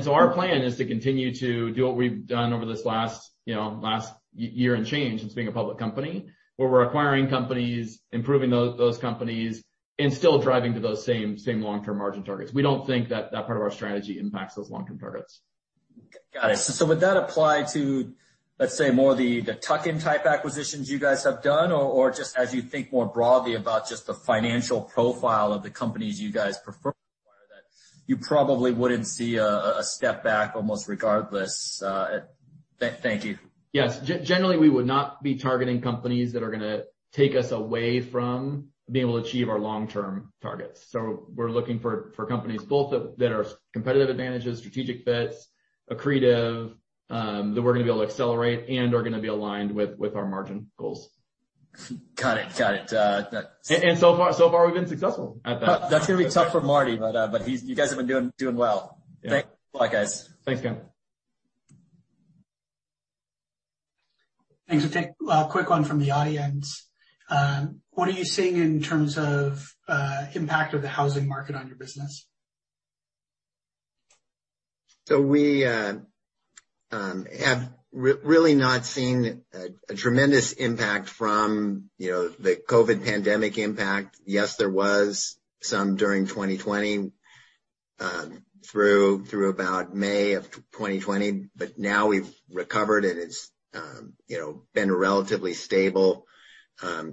Our plan is to continue to do what we've done over this last year and change since being a public company, where we're acquiring companies, improving those companies, and still driving to those same long-term margin targets. We don't think that part of our strategy impacts those long-term targets. Got it. Would that apply to, let's say, more the tuck-in type acquisitions you guys have done? Or just as you think more broadly about just the financial profile of the companies you guys prefer, you probably wouldn't see a step back almost regardless? Thank you. Yes. Generally, we would not be targeting companies that are gonna take us away from being able to achieve our long-term targets. We're looking for companies both that are competitive advantages, strategic fits, accretive, that we're gonna be able to accelerate and are gonna be aligned with our margin goals. Got it. So far we've been successful at that. That's gonna be tough for Marty, but you guys have been doing well. Yeah. Thanks. Bye, guys. Thanks, Ken. Thanks. We'll take a quick one from the audience. What are you seeing in terms of impact of the housing market on your business? We have really not seen a tremendous impact from, you know, the COVID pandemic impact. Yes, there was some during 2020 through about May of 2020, but now we've recovered, and it's, you know, been a relatively stable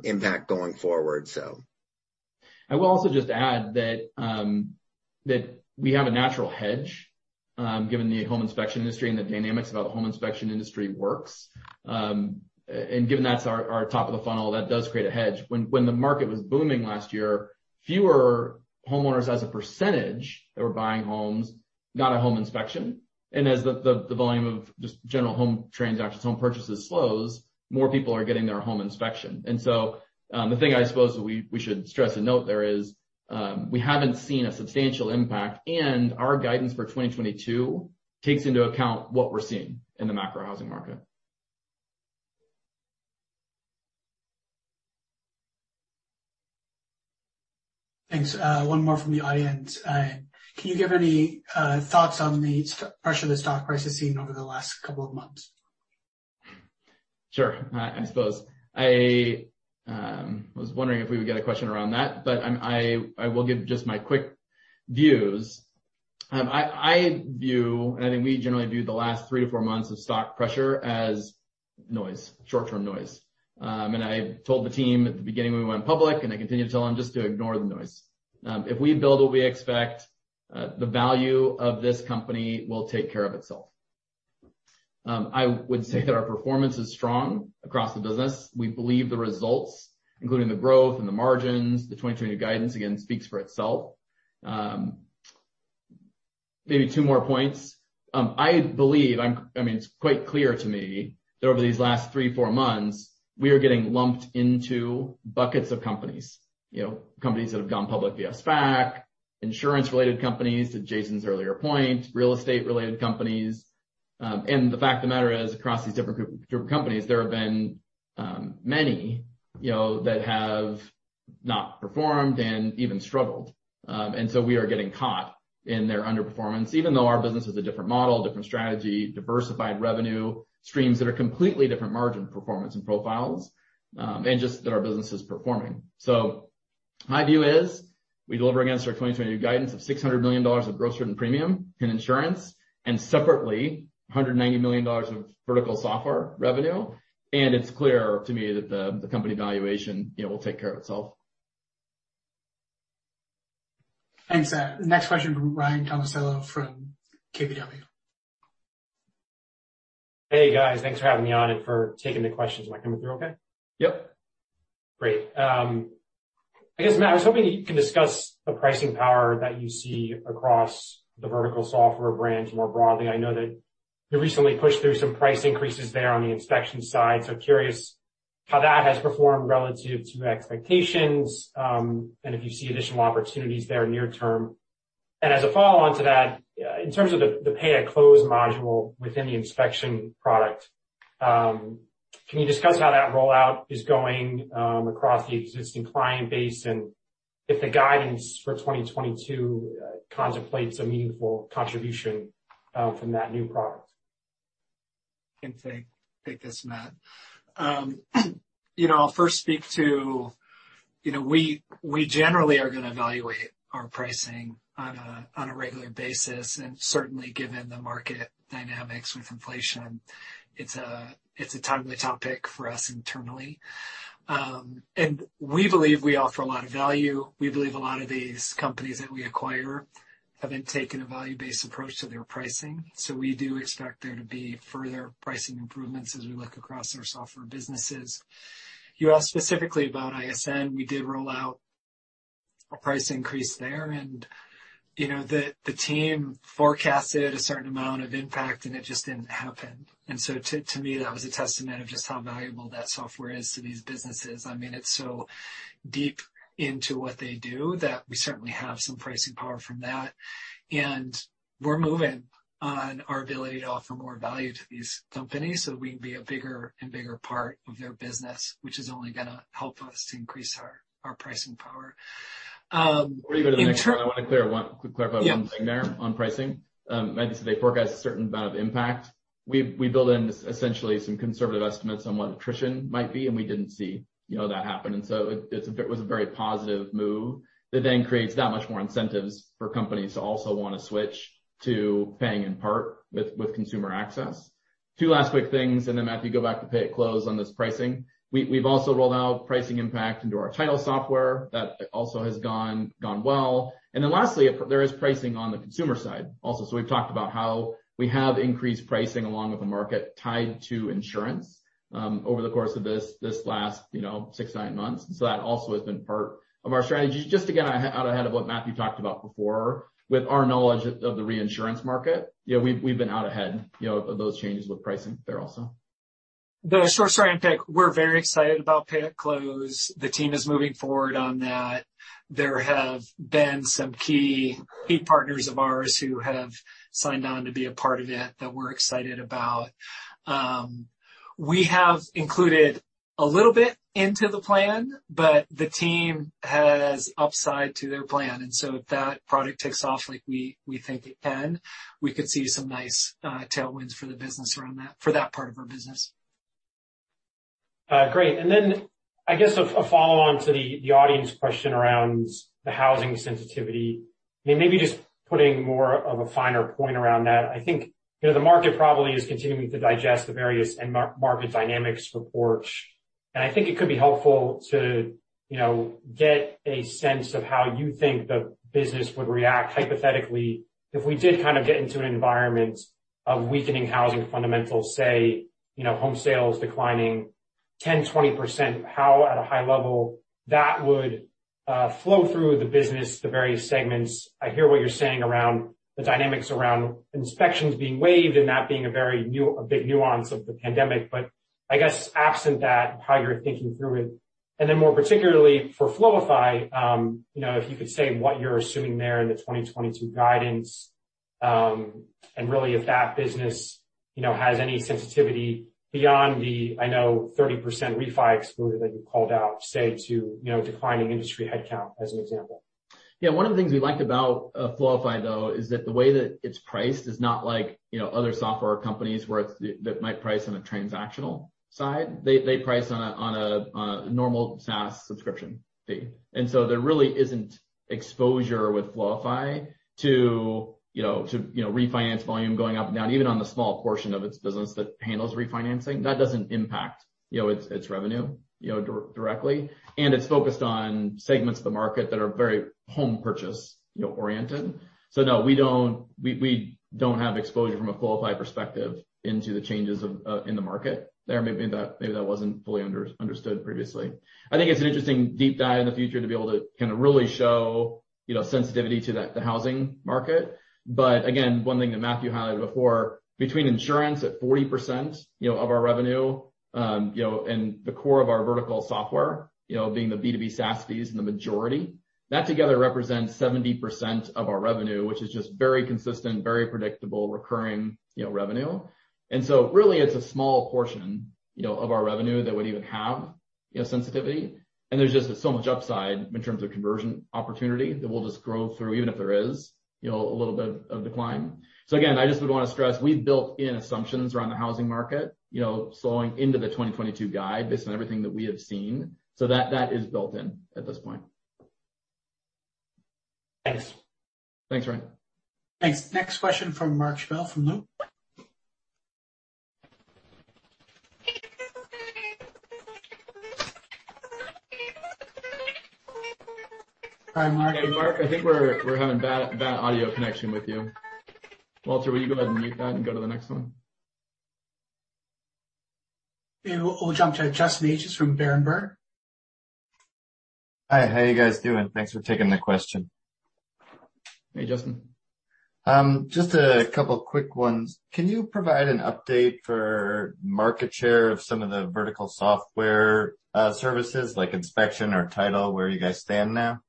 impact going forward. I will also just add that we have a natural hedge given the home inspection industry and the dynamics of how the home inspection industry works. Given that's our top of the funnel, that does create a hedge. When the market was booming last year, fewer homeowners as a percentage that were buying homes got a home inspection. As the volume of just general home transactions, home purchases slows, more people are getting their home inspection. The thing I suppose we should stress and note there is, we haven't seen a substantial impact, and our guidance for 2022 takes into account what we're seeing in the macro housing market. Thanks. One more from the audience. Can you give any thoughts on the street pressure the stock price has seen over the last couple of months? Sure. I suppose. I was wondering if we would get a question around that? But I will give just my quick views. I view and I think we generally view the last three to four months of stock pressure as noise, short-term noise. I told the team at the beginning when we went public, and I continue to tell them just to ignore the noise. If we build what we expect, the value of this company will take care of itself. I would say that our performance is strong across the business. We believe the results, including the growth and the margins, the 2020 guidance again speaks for itself. Maybe two more points. I mean, it's quite clear to me that over these last three to four months, we are getting lumped into buckets of companies. You know, companies that have gone public via SPAC, insurance-related companies, to Jason's earlier point, real estate-related companies. The fact of the matter is, across these different group of companies, there have been many, you know, that have not performed and even struggled. We are getting caught in their underperformance, even though our business is a different model, different strategy, diversified revenue streams that are completely different margin performance and profiles, and just that our business is performing. My view is we deliver against our 2020 guidance of $600 million of gross written premium in insurance, and separately, $190 million of vertical software revenue. It's clear to me that the company valuation, you know, will take care of itself. Thanks, Zach. The next question from Ryan Tomasello from KBW. Hey, guys. Thanks for having me on and for taking the questions. Am I coming through okay? Yep. Great. I guess, Matt, I was hoping you can discuss the pricing power that you see across the vertical software brands more broadly. I know that you recently pushed through some price increases there on the inspection side, so curious how that has performed relative to expectations, and if you see additional opportunities there near term? As a follow-on to that, in terms of the Pay-At-Close module within the inspection product, can you discuss how that rollout is going across the existing client base and if the guidance for 2022 contemplates a meaningful contribution from that new product? Take this, Matt. You know, I'll first speak to you know, we generally are gonna evaluate our pricing on a regular basis, and certainly given the market dynamics with inflation, it's a timely topic for us internally. We believe we offer a lot of value. We believe a lot of these companies that we acquire haven't taken a value-based approach to their pricing. We do expect there to be further pricing improvements as we look across our software businesses. You asked specifically about ISN. We did roll out a price increase there and, you know, the team forecasted a certain amount of impact, and it just didn't happen. To me, that was a testament of just how valuable that software is to these businesses. I mean, it's so deep into what they do that we certainly have some pricing power from that. We're moving on our ability to offer more value to these companies, so we can be a bigger and bigger part of their business, which is only gonna help us to increase our pricing power. Before you go to the next one, I wanna quickly clarify one thing there. Yeah. On pricing. Matthew said they forecast a certain amount of impact. We build in essentially some conservative estimates on what attrition might be, and we didn't see, you know, that happen. It was a very positive move that then creates that much more incentives for companies to also wanna switch to paying in part with consumer access. Two last quick things, then Matthew, go back to pay at close on this pricing. We've also rolled out pricing impact into our title software. That also has gone well. Then lastly, there is pricing on the consumer side also. We've talked about how we have increased pricing along with the market tied to insurance over the course of this last, you know, six to nine months. That also has been part of our strategy. Just again, out ahead of what Matthew talked about before, with our knowledge of the reinsurance market, you know, we've been out ahead, you know, of those changes with pricing there also. The short story on PAC, we're very excited about Pay-at-Close. The team is moving forward on that. There have been some key partners of ours who have signed on to be a part of it that we're excited about. We have included a little bit into the plan, but the team has upside to their plan. If that product takes off like we think it can, we could see some nice tailwinds for the business around that for that part of our business. Great. Then I guess a follow-on to the audience question around the housing sensitivity, and maybe just putting more of a finer point around that. I think, you know, the market probably is continuing to digest the various end market dynamics reports, and I think it could be helpful to, you know, get a sense of how you think the business would react hypothetically if we did kind of get into an environment of weakening housing fundamentals, say, you know, home sales declining 10%-20%, how at a high level that would flow through the business, the various segments? I hear what you're saying around the dynamics around inspections being waived and that being a very new, a big nuance of the pandemic. I guess absent that, how you're thinking through it? Then more particularly for Floify, you know, if you could say what you're assuming there in the 2022 guidance, and really if that business, you know, has any sensitivity beyond the, I know, 30% refi exclusion that you called out, say to, you know, declining industry headcount as an example. Yeah, one of the things we liked about Floify, though, is that the way that it's priced is not like, you know, other software companies where it's that might price on a transactional side. They price on a normal SaaS subscription fee. There really isn't exposure with Floify to, you know, refinance volume going up and down, even on the small portion of its business that handles refinancing. That doesn't impact, you know, its revenue, you know, directly. It's focused on segments of the market that are very home purchase, you know, oriented. No, we don't have exposure from a Floify perspective into the changes in the market there. Maybe that wasn't fully understood previously. I think it's an interesting deep dive in the future to be able to kinda really show, you know, sensitivity to the housing market. Again, one thing that Matthew highlighted before, between insurance at 40%, you know, of our revenue, and the core of our vertical software, you know, being the B2B SaaS fees in the majority, that together represents 70% of our revenue, which is just very consistent, very predictable recurring, you know, revenue. Really it's a small portion, you know, of our revenue that would even have, you know, sensitivity. There's just so much upside in terms of conversion opportunity that we'll just grow through even if there is, you know, a little bit of decline. I just would wanna stress we've built in assumptions around the housing market, you know, slowing into the 2022 guide based on everything that we have seen. That is built in at this point. Thanks. Thanks, Ryan. Thanks. Next question from John Campbell from Stephens, John? I think we're having bad audio connection with you. Walter, will you go ahead and mute that and go to the next one? Yeah. We'll jump to Justin Ages from Berenberg. Hi. How you guys doing? Thanks for taking the question. Hey, Justin. Just a couple quick ones. Can you provide an update for market share of some of the vertical software, services like inspection or title, where you guys stand now?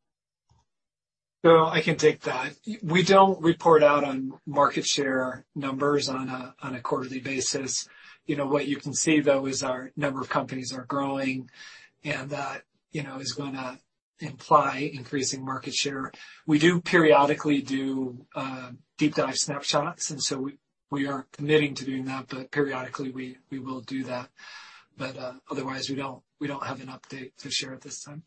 I can take that. We don't report out on market share numbers on a quarterly basis. You know, what you can see, though, is our number of companies are growing and that, you know, is gonna imply increasing market share. We do periodically do deep dive snapshots, and we aren't committing to doing that, but periodically we will do that. Otherwise, we don't have an update to share at this time.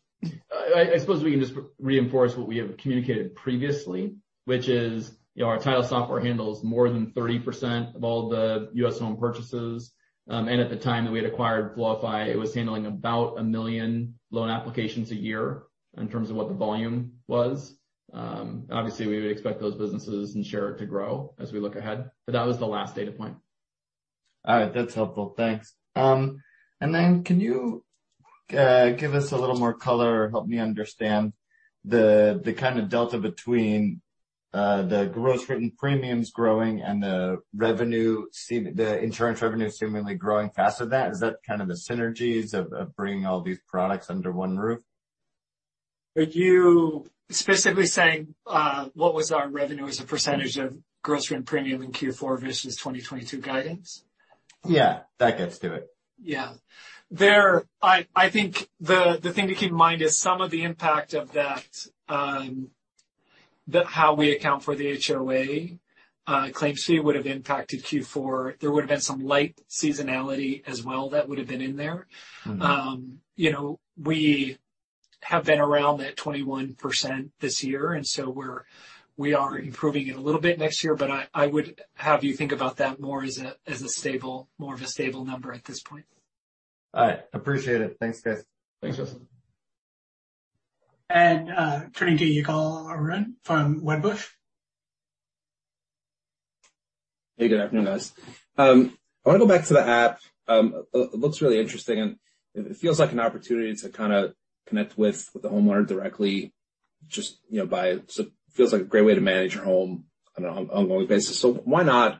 I suppose we can just reinforce what we have communicated previously, which is, you know, our title software handles more than 30% of all the U.S. home purchases. At the time that we had acquired Floify, it was handling about 1 million loan applications a year in terms of what the volume was. Obviously, we would expect those businesses and share it to grow as we look ahead, but that was the last data point. All right. That's helpful. Thanks. Can you give us a little more color or help me understand the kind of delta between the gross written premiums growing and the insurance revenue seemingly growing faster than that? Is that kind of the synergies of bringing all these products under one roof? Are you specifically saying, what was our revenue as a percentage of gross written premium in Q4 versus 2022 guidance? Yeah. That gets to it. Yeah. I think the thing to keep in mind is some of the impact of that, how we account for the HOA claim fee would have impacted Q4. There would have been some light seasonality as well that would have been in there. You know, we have been around that 21% this year, and so we are improving it a little bit next year, but I would have you think about that more as a, as a stable, more of a stable number at this point. All right. Appreciate it. Thanks, guys. Thanks, Justin. [And we turn the call over to] you [Yaron] from Wedbush. Hey, good afternoon, guys. I wanna go back to the app. It looks really interesting, and it feels like an opportunity to kinda connect with the homeowner directly just, you know, so feels like a great way to manage your home on an ongoing basis. Why not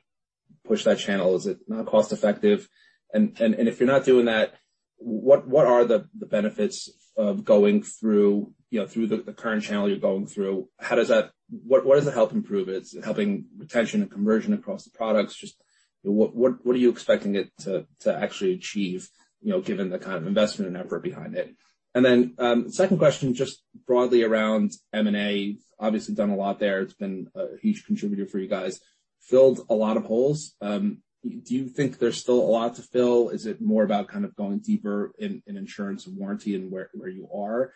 push that channel? Is it not cost-effective? If you're not doing that, what are the benefits of going through, you know, through the current channel you're going through? How does that—what does it help improve? Is it helping retention and conversion across the products? Just what are you expecting it to actually achieve, you know, given the kind of investment and effort behind it? Second question, just broadly around M&A. Obviously, done a lot there. It's been a huge contributor for you guys. Filled a lot of holes. Do you think there's still a lot to fill? Is it more about kind of going deeper in insurance and warranty and where you are?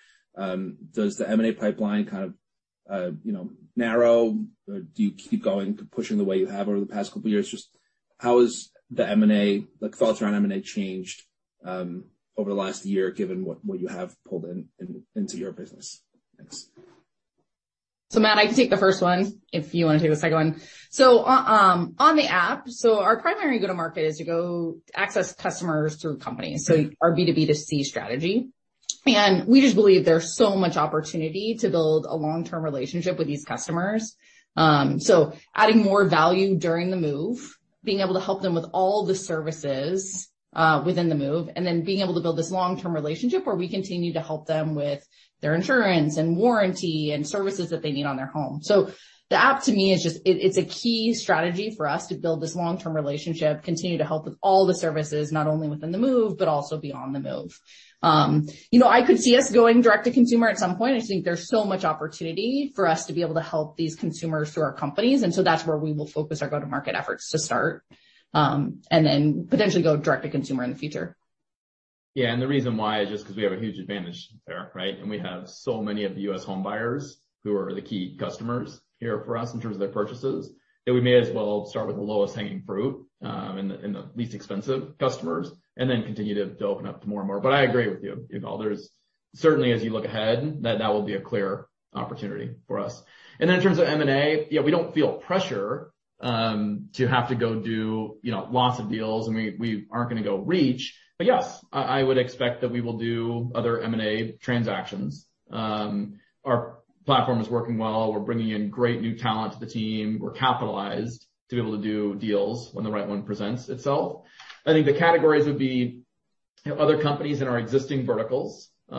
Does the M&A pipeline kind of, you know, narrow or do you keep going, pushing the way you have over the past couple years? Just how has the M&A, like, thoughts around M&A changed over the last year given what you have pulled in into your business? Thanks. Matt, I can take the first one if you wanna take the second one? On the app, our primary go-to-market is to go access customers through companies, our B2B2C strategy. We just believe there's so much opportunity to build a long-term relationship with these customers. Adding more value during the move, being able to help them with all the services within the move, and then being able to build this long-term relationship where we continue to help them with their insurance and warranty and services that they need on their home. The app to me is just it. It's a key strategy for us to build this long-term relationship, continue to help with all the services, not only within the move, but also beyond the move. You know, I could see us going direct to consumer at some point. I just think there's so much opportunity for us to be able to help these consumers through our companies. That's where we will focus our go-to-market efforts to start, and then potentially go direct to consumer in the future. Yeah. The reason why is just 'cause we have a huge advantage there, right? We have so many of the U.S. home buyers who are the key customers here for us in terms of their purchases, that we may as well start with the lowest hanging fruit, and the least expensive customers, and then continue to open up to more and more. I agree with you know, there's certainly as you look ahead that that will be a clear opportunity for us. Then in terms of M&A, yeah, we don't feel pressure to have to go do, you know, lots of deals and we aren't gonna go reach. Yes, I would expect that we will do other M&A transactions. Our platform is working well. We're bringing in great new talent to the team. We're capitalized to be able to do deals when the right one presents itself. I think the categories would be, you know, other companies in our existing verticals, you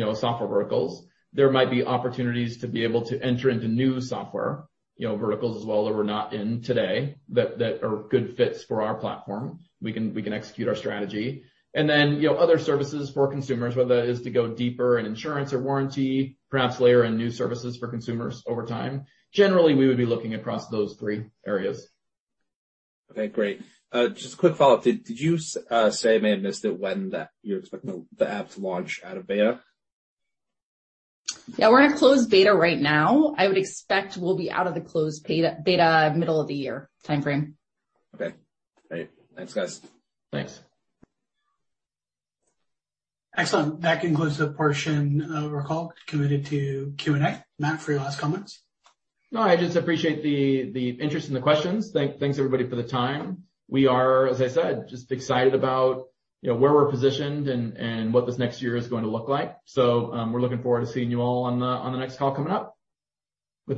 know, software verticals. There might be opportunities to be able to enter into new software, you know, verticals as well that we're not in today that are good fits for our platform. We can execute our strategy. you know, other services for consumers, whether that is to go deeper in insurance or warranty, perhaps layer in new services for consumers over time. Generally, we would be looking across those three areas. Okay, great. Just a quick follow-up. Did you say, I may have missed it, when you're expecting the app to launch out of beta? Yeah. We're in a closed beta right now. I would expect we'll be out of the closed beta middle of the year timeframe. Okay, great. Thanks, guys. Thanks. Excellent. That concludes the portion of our call committed to Q&A. Matt, for your last comments? No, I just appreciate the interest and the questions. Thanks, everybody for the time. We are, as I said, just excited about, you know, where we're positioned and what this next year is going to look like. We're looking forward to seeing you all on the next call coming up. With that.